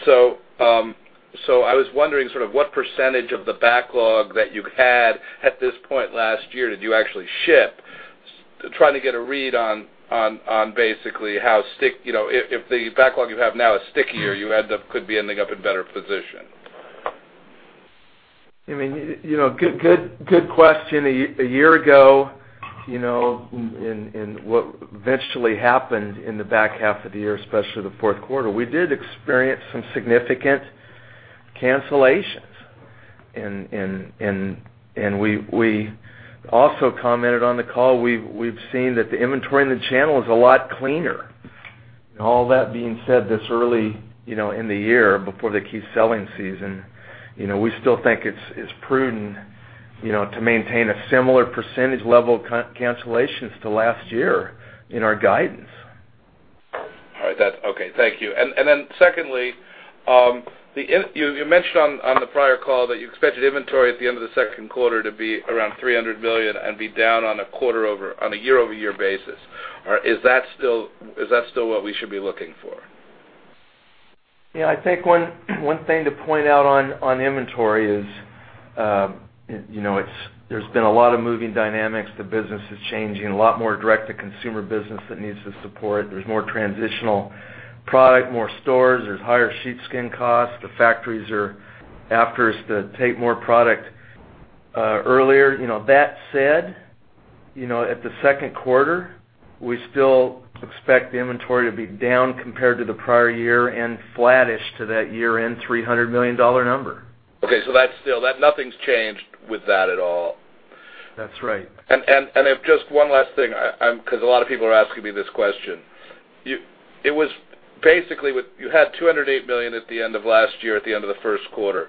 I was wondering sort of what percentage of the backlog that you had at this point last year did you actually ship? Trying to get a read on basically, if the backlog you have now is stickier, you could be ending up in better position. Good question. A year ago, and what eventually happened in the back half of the year, especially the fourth quarter, we did experience some significant cancellations. We also commented on the call, we've seen that the inventory in the channel is a lot cleaner. All that being said, this early in the year before the key selling season, we still think it's prudent to maintain a similar percentage level of cancellations to last year in our guidance. All right. Okay. Thank you. Then secondly, you mentioned on the prior call that you expected inventory at the end of the second quarter to be around $300 million and be down on a year-over-year basis. Is that still what we should be looking for? Yeah, I think one thing to point out on inventory is there's been a lot of moving dynamics. The business is changing. A lot more direct-to-consumer business that needs the support. There's more transitional product, more stores. There's higher sheepskin costs. The factories are after us to take more product earlier. That said, at the second quarter, we still expect the inventory to be down compared to the prior year and flattish to that year-end $300 million number. Okay. nothing's changed with that at all. That's right. If just one last thing, because a lot of people are asking me this question. It was basically, you had $208 million at the end of last year at the end of the first quarter.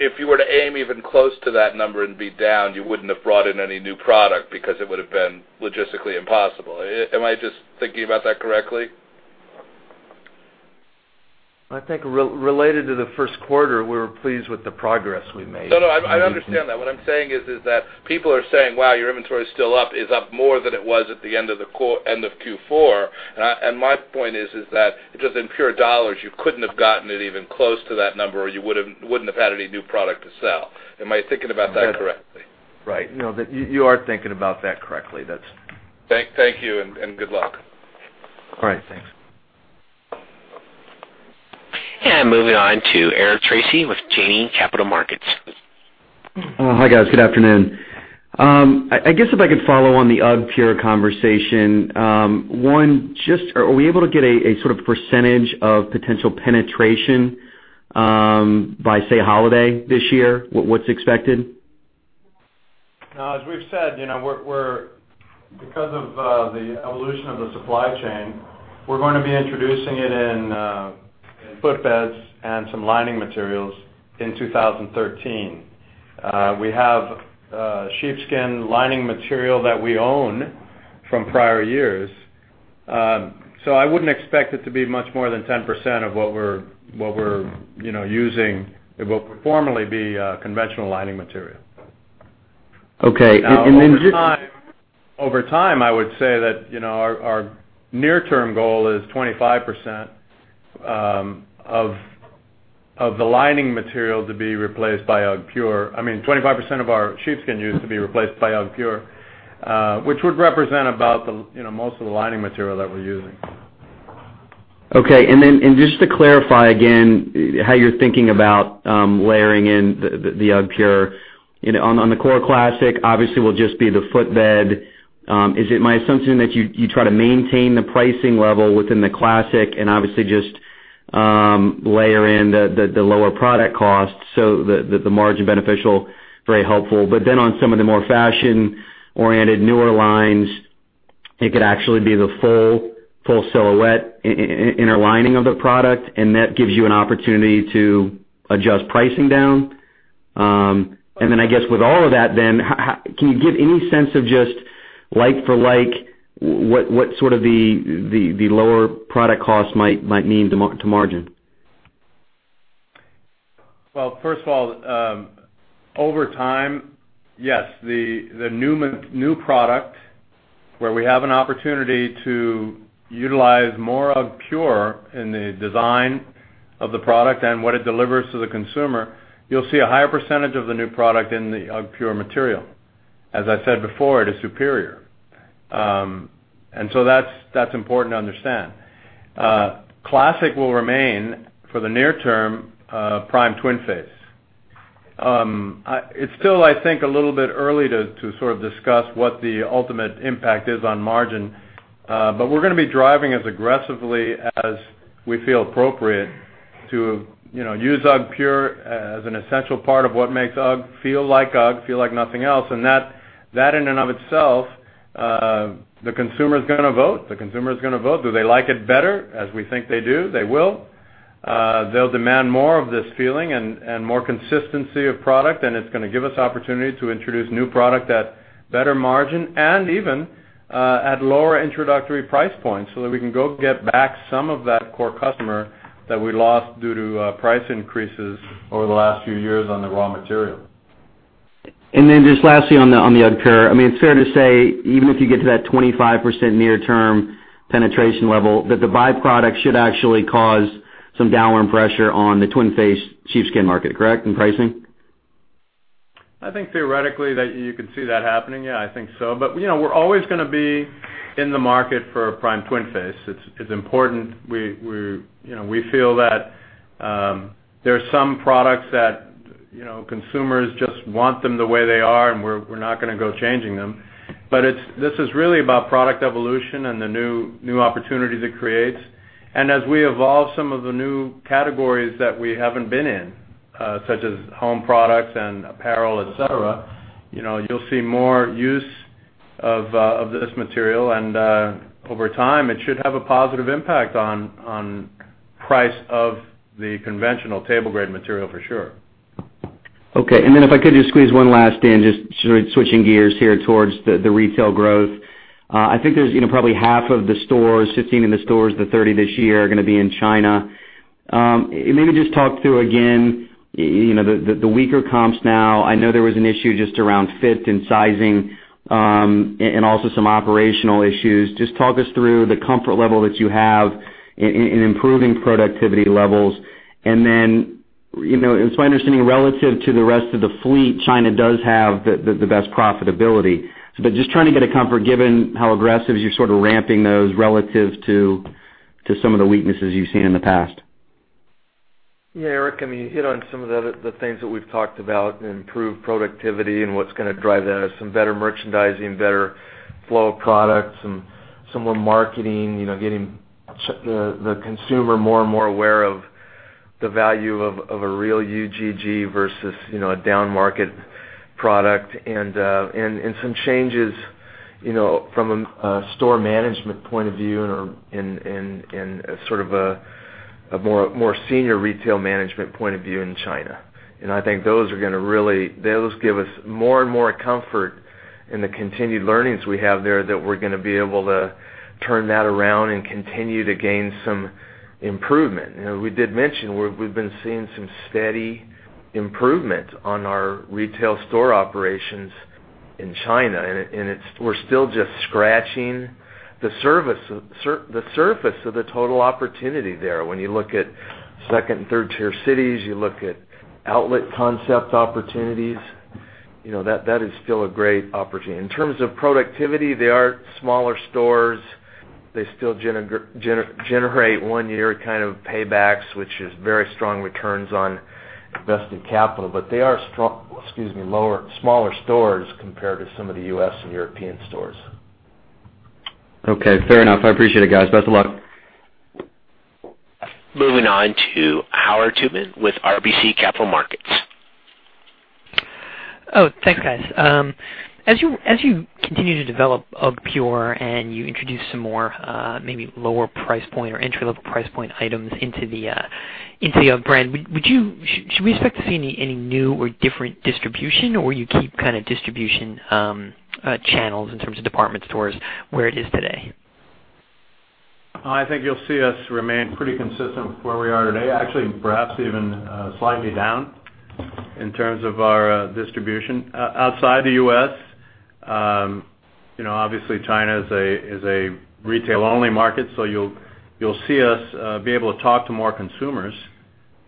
If you were to aim even close to that number and be down, you wouldn't have brought in any new product because it would have been logistically impossible. Am I just thinking about that correctly? I think related to the first quarter, we were pleased with the progress we made. No, I understand that. What I'm saying is that people are saying, "Wow, your inventory is still up. It's up more than it was at the end of Q4." My point is that just in pure dollars, you couldn't have gotten it even close to that number, or you wouldn't have had any new product to sell. Am I thinking about that correctly? Right. You are thinking about that correctly. Thank you, and good luck. All right. Thanks. Moving on to Eric Tracy with Janney Capital Markets. Hi, guys. Good afternoon. I guess if I could follow on the UGGpure conversation. One, just are we able to get a sort of percentage of potential penetration by, say, holiday this year? What's expected? As we've said, because of the evolution of the supply chain, we're going to be introducing it in footbeds and some lining materials in 2013. We have sheepskin lining material that we own from prior years. I wouldn't expect it to be much more than 10% of what we're using. It will formerly be conventional lining material. Okay. Over time, I would say that our near-term goal is 25% of the lining material to be replaced by UGGpure. I mean, 25% of our sheepskin used to be replaced by UGGpure, which would represent about most of the lining material that we're using. Okay. Just to clarify again how you're thinking about layering in the UGGpure. On the core classic, obviously, will just be the footbed. Is it my assumption that you try to maintain the pricing level within the classic and obviously just layer in the lower product cost so that the margin beneficial, very helpful. On some of the more fashion-oriented, newer lines, it could actually be the full silhouette inner lining of the product, and that gives you an opportunity to adjust pricing down. I guess with all of that, can you give any sense of just like for like, what sort of the lower product cost might mean to margin? Well, first of all, over time, yes, the new product where we have an opportunity to utilize more UGGpure in the design of the product and what it delivers to the consumer, you'll see a higher percentage of the new product in the UGGpure material. As I said before, it is superior. So that's important to understand. Classic will remain for the near term Prime twin face. It's still, I think, a little bit early to sort of discuss what the ultimate impact is on margin. We're going to be driving as aggressively as we feel appropriate to use UGGpure as an essential part of what makes UGG feel like UGG, feel like nothing else. That in and of itself, the consumer is going to vote. Do they like it better as we think they do? They will. They'll demand more of this feeling and more consistency of product, it's going to give us opportunity to introduce new product at better margin and even at lower introductory price points so that we can go get back some of that core customer that we lost due to price increases over the last few years on the raw material. Just lastly on the UGGpure. It's fair to say, even if you get to that 25% near term penetration level, that the by-product should actually cause some downward pressure on the twin face sheepskin market, correct, in pricing? I think theoretically that you could see that happening. Yeah, I think so. We're always going to be in the market for prime twinface. It's important. We feel that there are some products that consumers just want them the way they are, and we're not going to go changing them. This is really about product evolution and the new opportunities it creates. As we evolve some of the new categories that we haven't been in, such as home products and apparel, et cetera, you'll see more use of this material. Over time, it should have a positive impact on price of the conventional table-grade material for sure. Okay. If I could just squeeze one last in, just sort of switching gears here towards the retail growth. I think there's probably half of the stores, 15 of the stores, the 30 this year are going to be in China. Maybe just talk through again, the weaker comps now. I know there was an issue just around fit and sizing, and also some operational issues. Just talk us through the comfort level that you have in improving productivity levels. It's my understanding, relative to the rest of the fleet, China does have the best profitability. Just trying to get a comfort, given how aggressive you're sort of ramping those relative to some of the weaknesses you've seen in the past. Yeah, Eric, you hit on some of the things that we've talked about, improved productivity and what's going to drive that is some better merchandising, better flow of products, and some more marketing, getting the consumer more and more aware of the value of a real UGG versus a downmarket product. Some changes from a store management point of view and sort of a more senior retail management point of view in China. I think those give us more and more comfort in the continued learnings we have there that we're going to be able to turn that around and continue to gain some improvement. We did mention we've been seeing some steady improvement on our retail store operations in China, and we're still just scratching the surface of the total opportunity there. When you look at 2-tier and 3-tier cities, you look at outlet concept opportunities, that is still a great opportunity. In terms of productivity, they are smaller stores. They still generate one year kind of paybacks, which is very strong returns on invested capital. They are smaller stores compared to some of the U.S. and European stores. Okay, fair enough. I appreciate it, guys. Best of luck. Moving on to Howard Tubin with RBC Capital Markets. Oh, thanks, guys. As you continue to develop UGGpure and you introduce some more, maybe lower price point or entry-level price point items into the UGG brand, should we expect to see any new or different distribution, or you keep kind of distribution channels in terms of department stores where it is today? I think you'll see us remain pretty consistent with where we are today. Actually, perhaps even slightly down in terms of our distribution. Outside the U.S., obviously China is a retail-only market, you'll see us be able to talk to more consumers.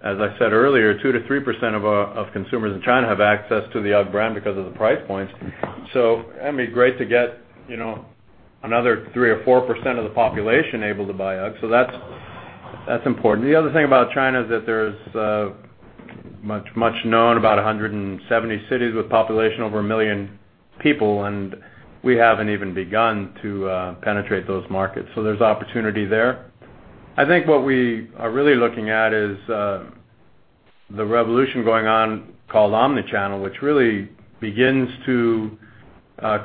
As I said earlier, 2%-3% of consumers in China have access to the UGG brand because of the price points. That'd be great to get another 3% or 4% of the population able to buy UGG. That's important. The other thing about China is that there's much known about 170 cities with population over 1 million people, and we haven't even begun to penetrate those markets. There's opportunity there. I think what we are really looking at is the revolution going on called omni-channel, which really begins to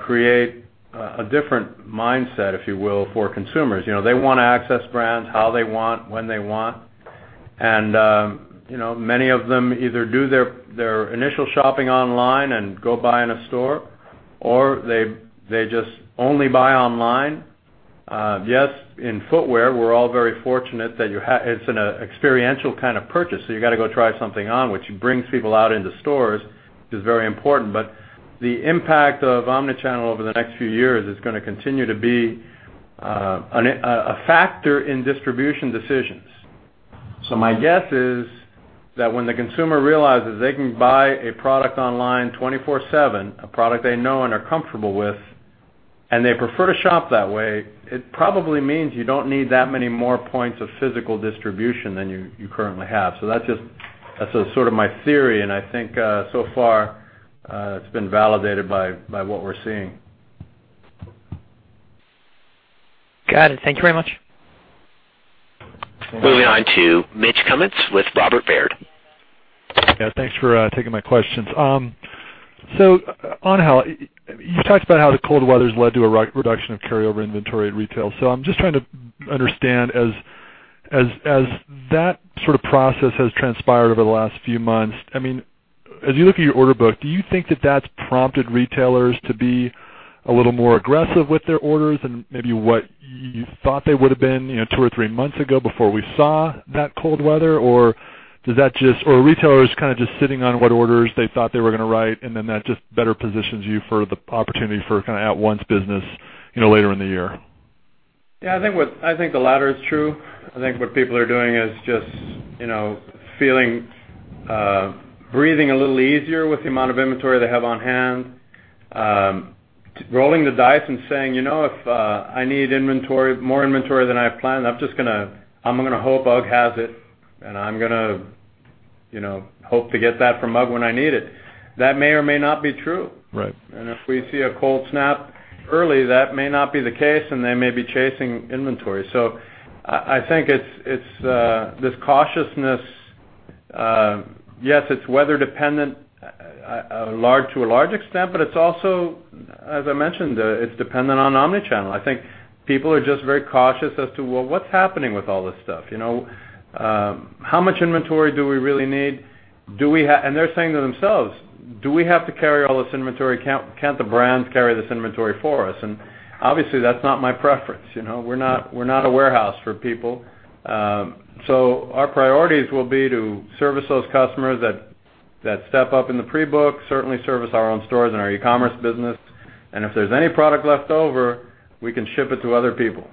create a different mindset, if you will, for consumers. They want to access brands how they want, when they want. Many of them either do their initial shopping online and go buy in a store, or they just only buy online. Yes, in footwear, we're all very fortunate that it's an experiential kind of purchase, you got to go try something on, which brings people out into stores, which is very important. The impact of omni-channel over the next few years is going to continue to be a factor in distribution decisions. My guess is that when the consumer realizes they can buy a product online 24/7, a product they know and are comfortable with, and they prefer to shop that way, it probably means you don't need that many more points of physical distribution than you currently have. That's sort of my theory, and I think so far, it's been validated by what we're seeing. Got it. Thank you very much. Moving on to Mitch Kummetz with Robert W. Baird. Thanks for taking my questions. Angel, you talked about how the cold weather's led to a reduction of carryover inventory at retail. I'm just trying to understand, as that sort of process has transpired over the last few months, as you look at your order book, do you think that that's prompted retailers to be a little more aggressive with their orders than maybe what you thought they would've been two or three months ago before we saw that cold weather? Are retailers kind of just sitting on what orders they thought they were going to write, and then that just better positions you for the opportunity for kind of at-once business later in the year? Yeah, I think the latter is true. I think what people are doing is just breathing a little easier with the amount of inventory they have on hand, rolling the dice and saying, "If I need more inventory than I have planned, I'm going to hope UGG has it, and I'm going to hope to get that from UGG when I need it." That may or may not be true. Right. If we see a cold snap early, that may not be the case, and they may be chasing inventory. I think it's this cautiousness. Yes, it's weather dependent to a large extent, but it's also, as I mentioned, it's dependent on omni-channel. I think people are just very cautious as to what's happening with all this stuff. How much inventory do we really need? They're saying to themselves, "Do we have to carry all this inventory? Can't the brands carry this inventory for us?" Obviously, that's not my preference. We're not a warehouse for people. Our priorities will be to service those customers that step up in the pre-book, certainly service our own stores and our e-commerce business. If there's any product left over, we can ship it to other people.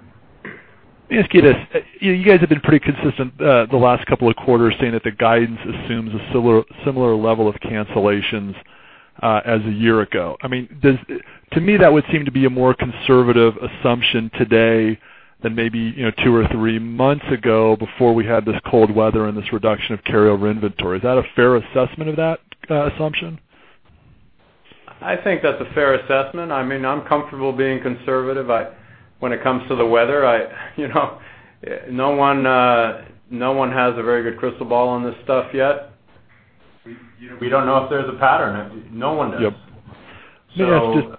Let me ask you this. You guys have been pretty consistent the last couple of quarters, saying that the guidance assumes a similar level of cancellations as a year ago. To me, that would seem to be a more conservative assumption today than maybe two or three months ago before we had this cold weather and this reduction of carryover inventory. Is that a fair assessment of that assumption? I think that's a fair assessment. I'm comfortable being conservative when it comes to the weather. No one has a very good crystal ball on this stuff yet. We don't know if there's a pattern. No one does. Yep. So-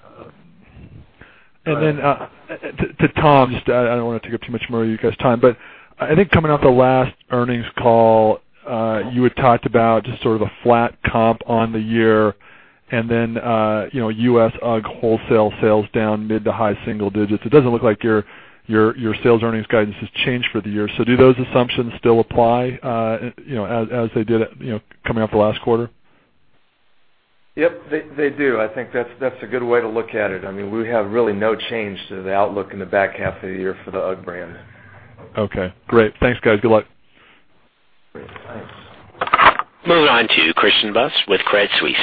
May I ask just To Tom, I don't want to take up too much more of you guys' time, but I think coming off the last earnings call, you had talked about just sort of a flat comp on the year, then, U.S. UGG wholesale sales down mid to high single digits. It doesn't look like your sales earnings guidance has changed for the year. Do those assumptions still apply, as they did coming off the last quarter? Yep, they do. I think that's a good way to look at it. We have really no change to the outlook in the back half of the year for the UGG brand. Okay, great. Thanks, guys. Good luck. Great. Thanks. Moving on to Christian Buss with Credit Suisse.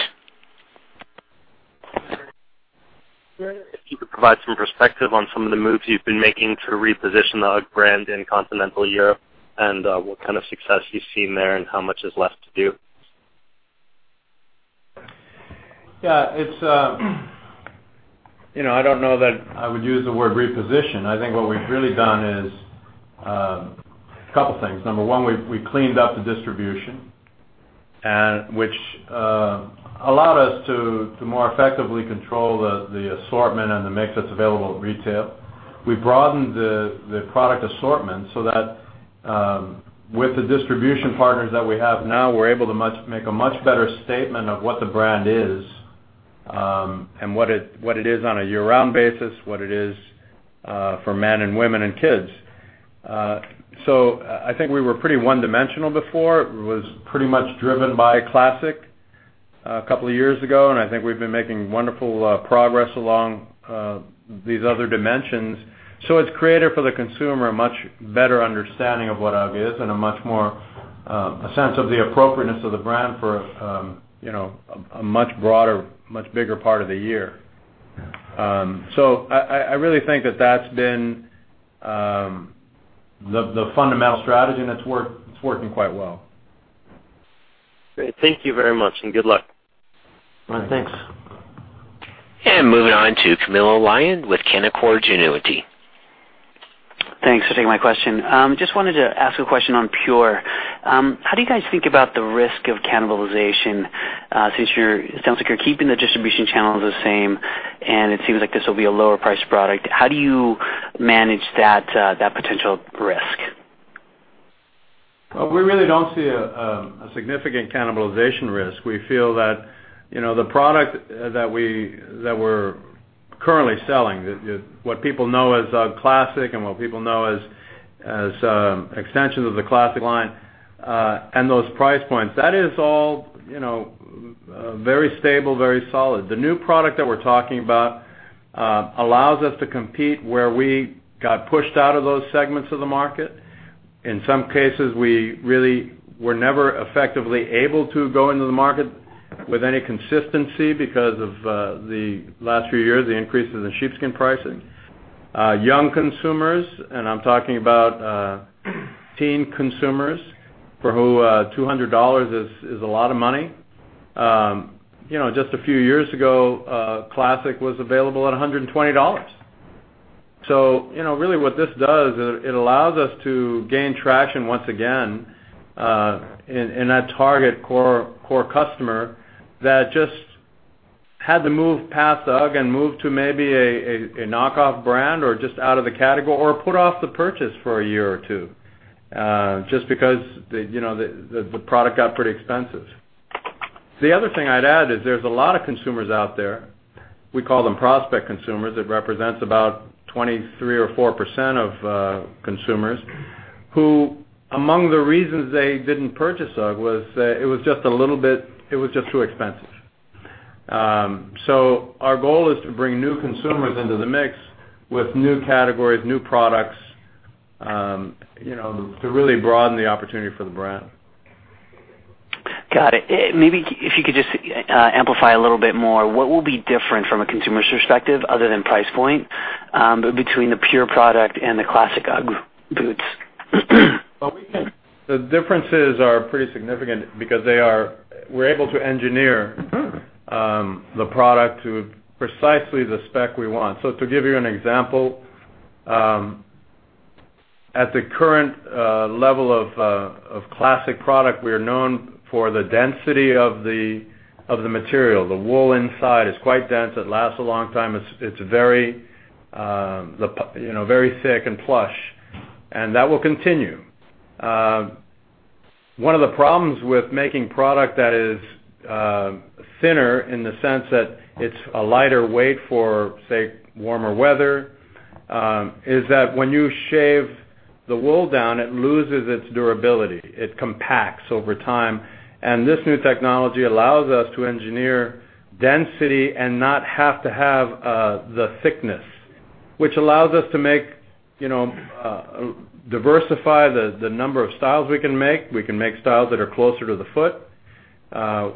If you could provide some perspective on some of the moves you've been making to reposition the UGG brand in continental Europe and what kind of success you've seen there and how much is left to do. Yeah. I don't know that I would use the word reposition. I think what we've really done is a couple of things. Number one, we cleaned up the distribution, which allowed us to more effectively control the assortment and the mix that's available at retail. We broadened the product assortment so that with the distribution partners that we have now, we're able to make a much better statement of what the brand is, and what it is on a year-round basis, what it is for men and women and kids. I think we were pretty one-dimensional before. It was pretty much driven by classic a couple of years ago, and I think we've been making wonderful progress along these other dimensions. It's created for the consumer a much better understanding of what UGG is and a sense of the appropriateness of the brand for a much broader, much bigger part of the year. I really think that's been the fundamental strategy, and that's working quite well. Great. Thank you very much, and good luck. All right. Thanks. moving on to Camilo Lyon with Canaccord Genuity. Thanks for taking my question. Just wanted to ask a question on Pure. How do you guys think about the risk of cannibalization since it sounds like you're keeping the distribution channels the same, and it seems like this will be a lower-priced product. How do you manage that potential risk? We really don't see a significant cannibalization risk. We feel that the product that we're currently selling, what people know as UGG Classic and what people know as extensions of the Classic line, and those price points, that is all very stable, very solid. The new product that we're talking about allows us to compete where we got pushed out of those segments of the market. In some cases, we really were never effectively able to go into the market with any consistency because of the last few years, the increases in sheepskin pricing. Young consumers, and I'm talking about teen consumers for who $200 is a lot of money. Just a few years ago, Classic was available at $120. Really what this does is it allows us to gain traction once again in that target core customer that just had to move past UGG and move to maybe a knockoff brand or just out of the category or put off the purchase for a year or two, just because the product got pretty expensive. The other thing I'd add is there's a lot of consumers out there, we call them prospect consumers, that represents about 23 or 4% of consumers who among the reasons they didn't purchase UGG was it was just too expensive. Our goal is to bring new consumers into the mix with new categories, new products, to really broaden the opportunity for the brand. Got it. Maybe if you could just amplify a little bit more, what will be different from a consumer's perspective, other than price point, between the Pure product and the classic UGG boots? The differences are pretty significant because we're able to engineer the product to precisely the spec we want. To give you an example, at the current level of classic product, we are known for the density of the material. The wool inside is quite dense. It lasts a long time. It's very thick and plush, and that will continue. One of the problems with making product that is thinner, in the sense that it's a lighter weight for, say, warmer weather, is that when you shave the wool down, it loses its durability. It compacts over time. This new technology allows us to engineer density and not have to have the thickness, which allows us to diversify the number of styles we can make. We can make styles that are closer to the foot.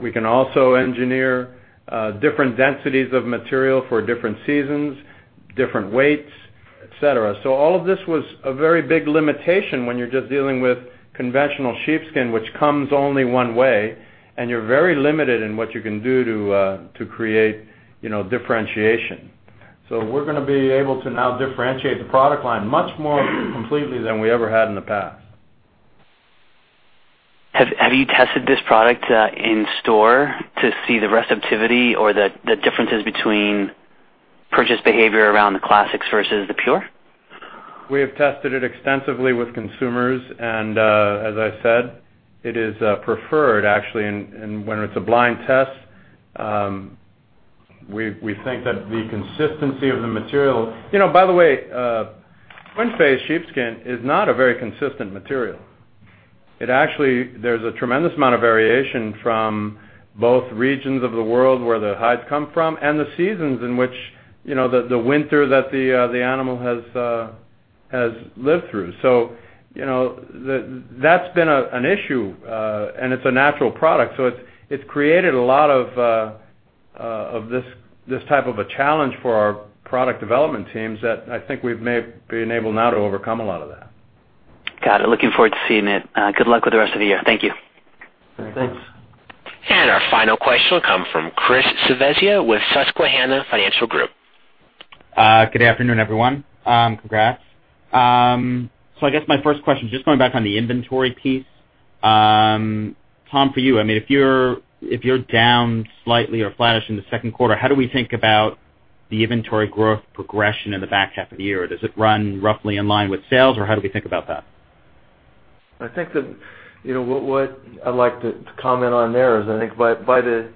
We can also engineer different densities of material for different seasons, different weights, et cetera. All of this was a very big limitation when you're just dealing with conventional sheepskin, which comes only one way, you're very limited in what you can do to create differentiation. We're going to be able to now differentiate the product line much more completely than we ever had in the past. Have you tested this product in-store to see the receptivity or the differences between purchase behavior around the Classics versus the Pure? We have tested it extensively with consumers. As I said, it is preferred, actually. When it's a blind test, we think that the consistency of the material. By the way, twinface sheepskin is not a very consistent material. There's a tremendous amount of variation from both regions of the world where the hides come from and the seasons in which the winter that the animal has lived through. That's been an issue, and it's a natural product. It's created a lot of this type of a challenge for our product development teams that I think we've been able now to overcome a lot of that. Got it. Looking forward to seeing it. Good luck with the rest of the year. Thank you. Thanks. Our final question will come from Christopher Svezia with Susquehanna Financial Group. Good afternoon, everyone. Congrats. I guess my first question, just going back on the inventory piece. Tom, for you, if you're down slightly or flattish in the second quarter, how do we think about the inventory growth progression in the back half of the year? Does it run roughly in line with sales, or how do we think about that? What I'd like to comment on there is, by the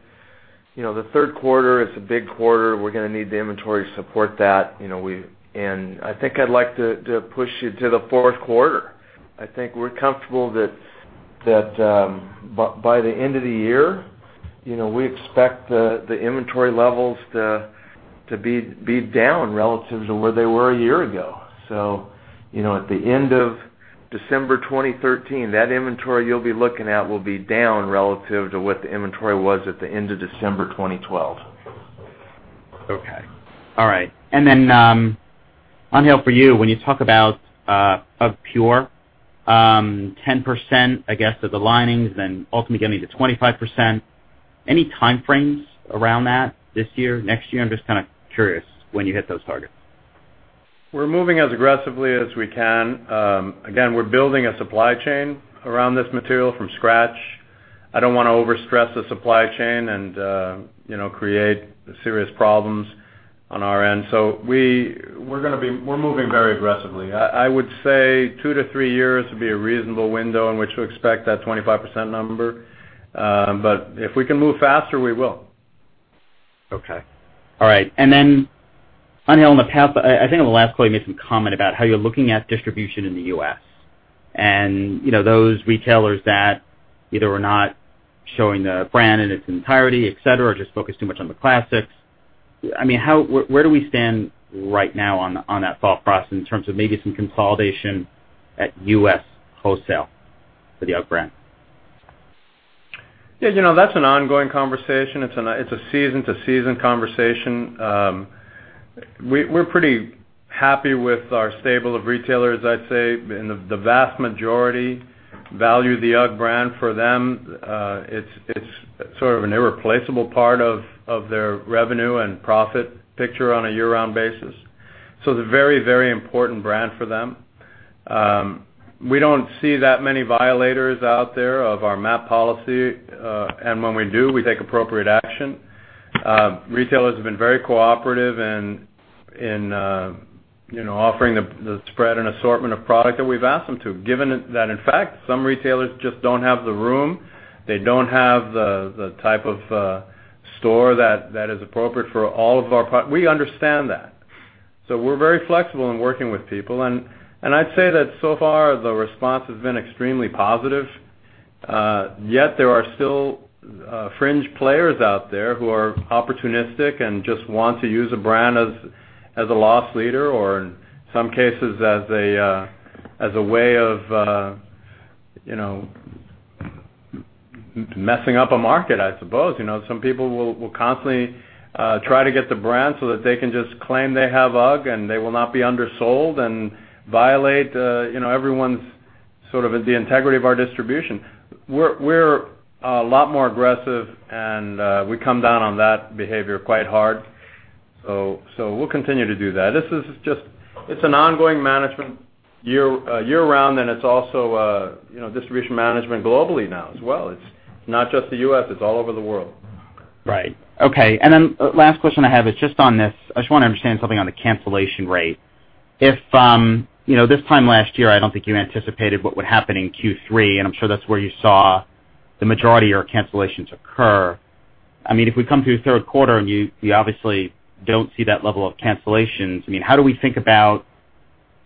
3rd quarter, it's a big quarter, we're going to need the inventory to support that. I think I'd like to push you to the 4th quarter. I think we're comfortable that by the end of the year, we expect the inventory levels to be down relative to where they were a year ago. At the end of December 2013, that inventory you'll be looking at will be down relative to what the inventory was at the end of December 2012. Okay. All right. Angel, for you, when you talk about UGGpure, 10%, I guess, of the linings, then ultimately getting to 25%, any time frames around that this year, next year? I'm just kind of curious when you hit those targets. We're moving as aggressively as we can. Again, we're building a supply chain around this material from scratch. I don't want to overstress the supply chain and create serious problems on our end. We're moving very aggressively. I would say two to three years would be a reasonable window in which to expect that 25% number. If we can move faster, we will. Okay. All right. Angel and Pat, I think on the last call, you made some comment about how you're looking at distribution in the U.S. Those retailers that either are not showing the brand in its entirety, et cetera, or just focus too much on the classics. Where do we stand right now on that thought process in terms of maybe some consolidation at U.S. wholesale for the UGG brand? Yeah, that's an ongoing conversation. It's a season-to-season conversation. We're pretty happy with our stable of retailers, I'd say, and the vast majority value the UGG brand. For them, it's sort of an irreplaceable part of their revenue and profit picture on a year-round basis. It's a very, very important brand for them. We don't see that many violators out there of our MAP policy. When we do, we take appropriate action. Retailers have been very cooperative in offering the spread and assortment of product that we've asked them to, given that, in fact, some retailers just don't have the room. They don't have the type 2 store that is appropriate for all of our product. We understand that. We're very flexible in working with people, and I'd say that so far, the response has been extremely positive. There are still fringe players out there who are opportunistic and just want to use a brand as a loss leader or in some cases, as a way of messing up a market, I suppose. Some people will constantly try to get the brand so that they can just claim they have UGG, and they will not be undersold and violate everyone's sort of the integrity of our distribution. We're a lot more aggressive, and we come down on that behavior quite hard. We'll continue to do that. This is just an ongoing management year-round, and it's also distribution management globally now as well. It's not just the U.S., it's all over the world. Right. Okay. Last question I have is just on this. I just want to understand something on the cancellation rate. This time last year, I don't think you anticipated what would happen in Q3, and I'm sure that's where you saw the majority of your cancellations occur. If we come to the third quarter and you obviously don't see that level of cancellations, how do we think about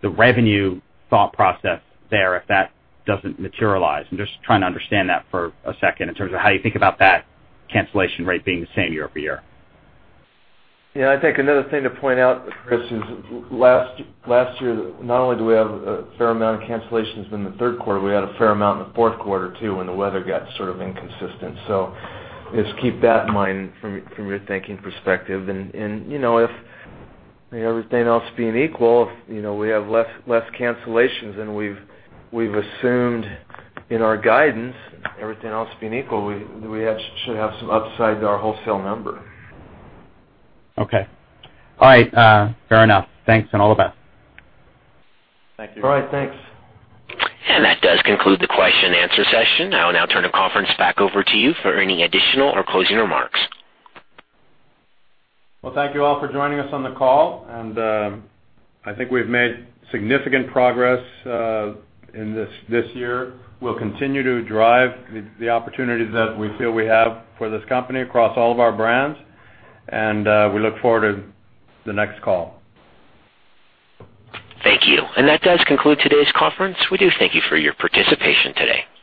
the revenue thought process there if that doesn't materialize? I'm just trying to understand that for a second in terms of how you think about that cancellation rate being the same year-over-year. Yeah. I think another thing to point out, Chris, is last year, not only do we have a fair amount of cancellations in the third quarter, we had a fair amount in the fourth quarter too, when the weather got sort of inconsistent. Just keep that in mind from your thinking perspective. If everything else being equal, if we have less cancellations than we've assumed in our guidance, everything else being equal, we should have some upside to our wholesale number. Okay. All right. Fair enough. Thanks, and all the best. Thank you. All right. Thanks. That does conclude the question and answer session. I will now turn the conference back over to you for any additional or closing remarks. Well, thank you all for joining us on the call. I think we've made significant progress this year. We'll continue to drive the opportunities that we feel we have for this company across all of our brands. We look forward to the next call. Thank you. That does conclude today's conference. We do thank you for your participation today.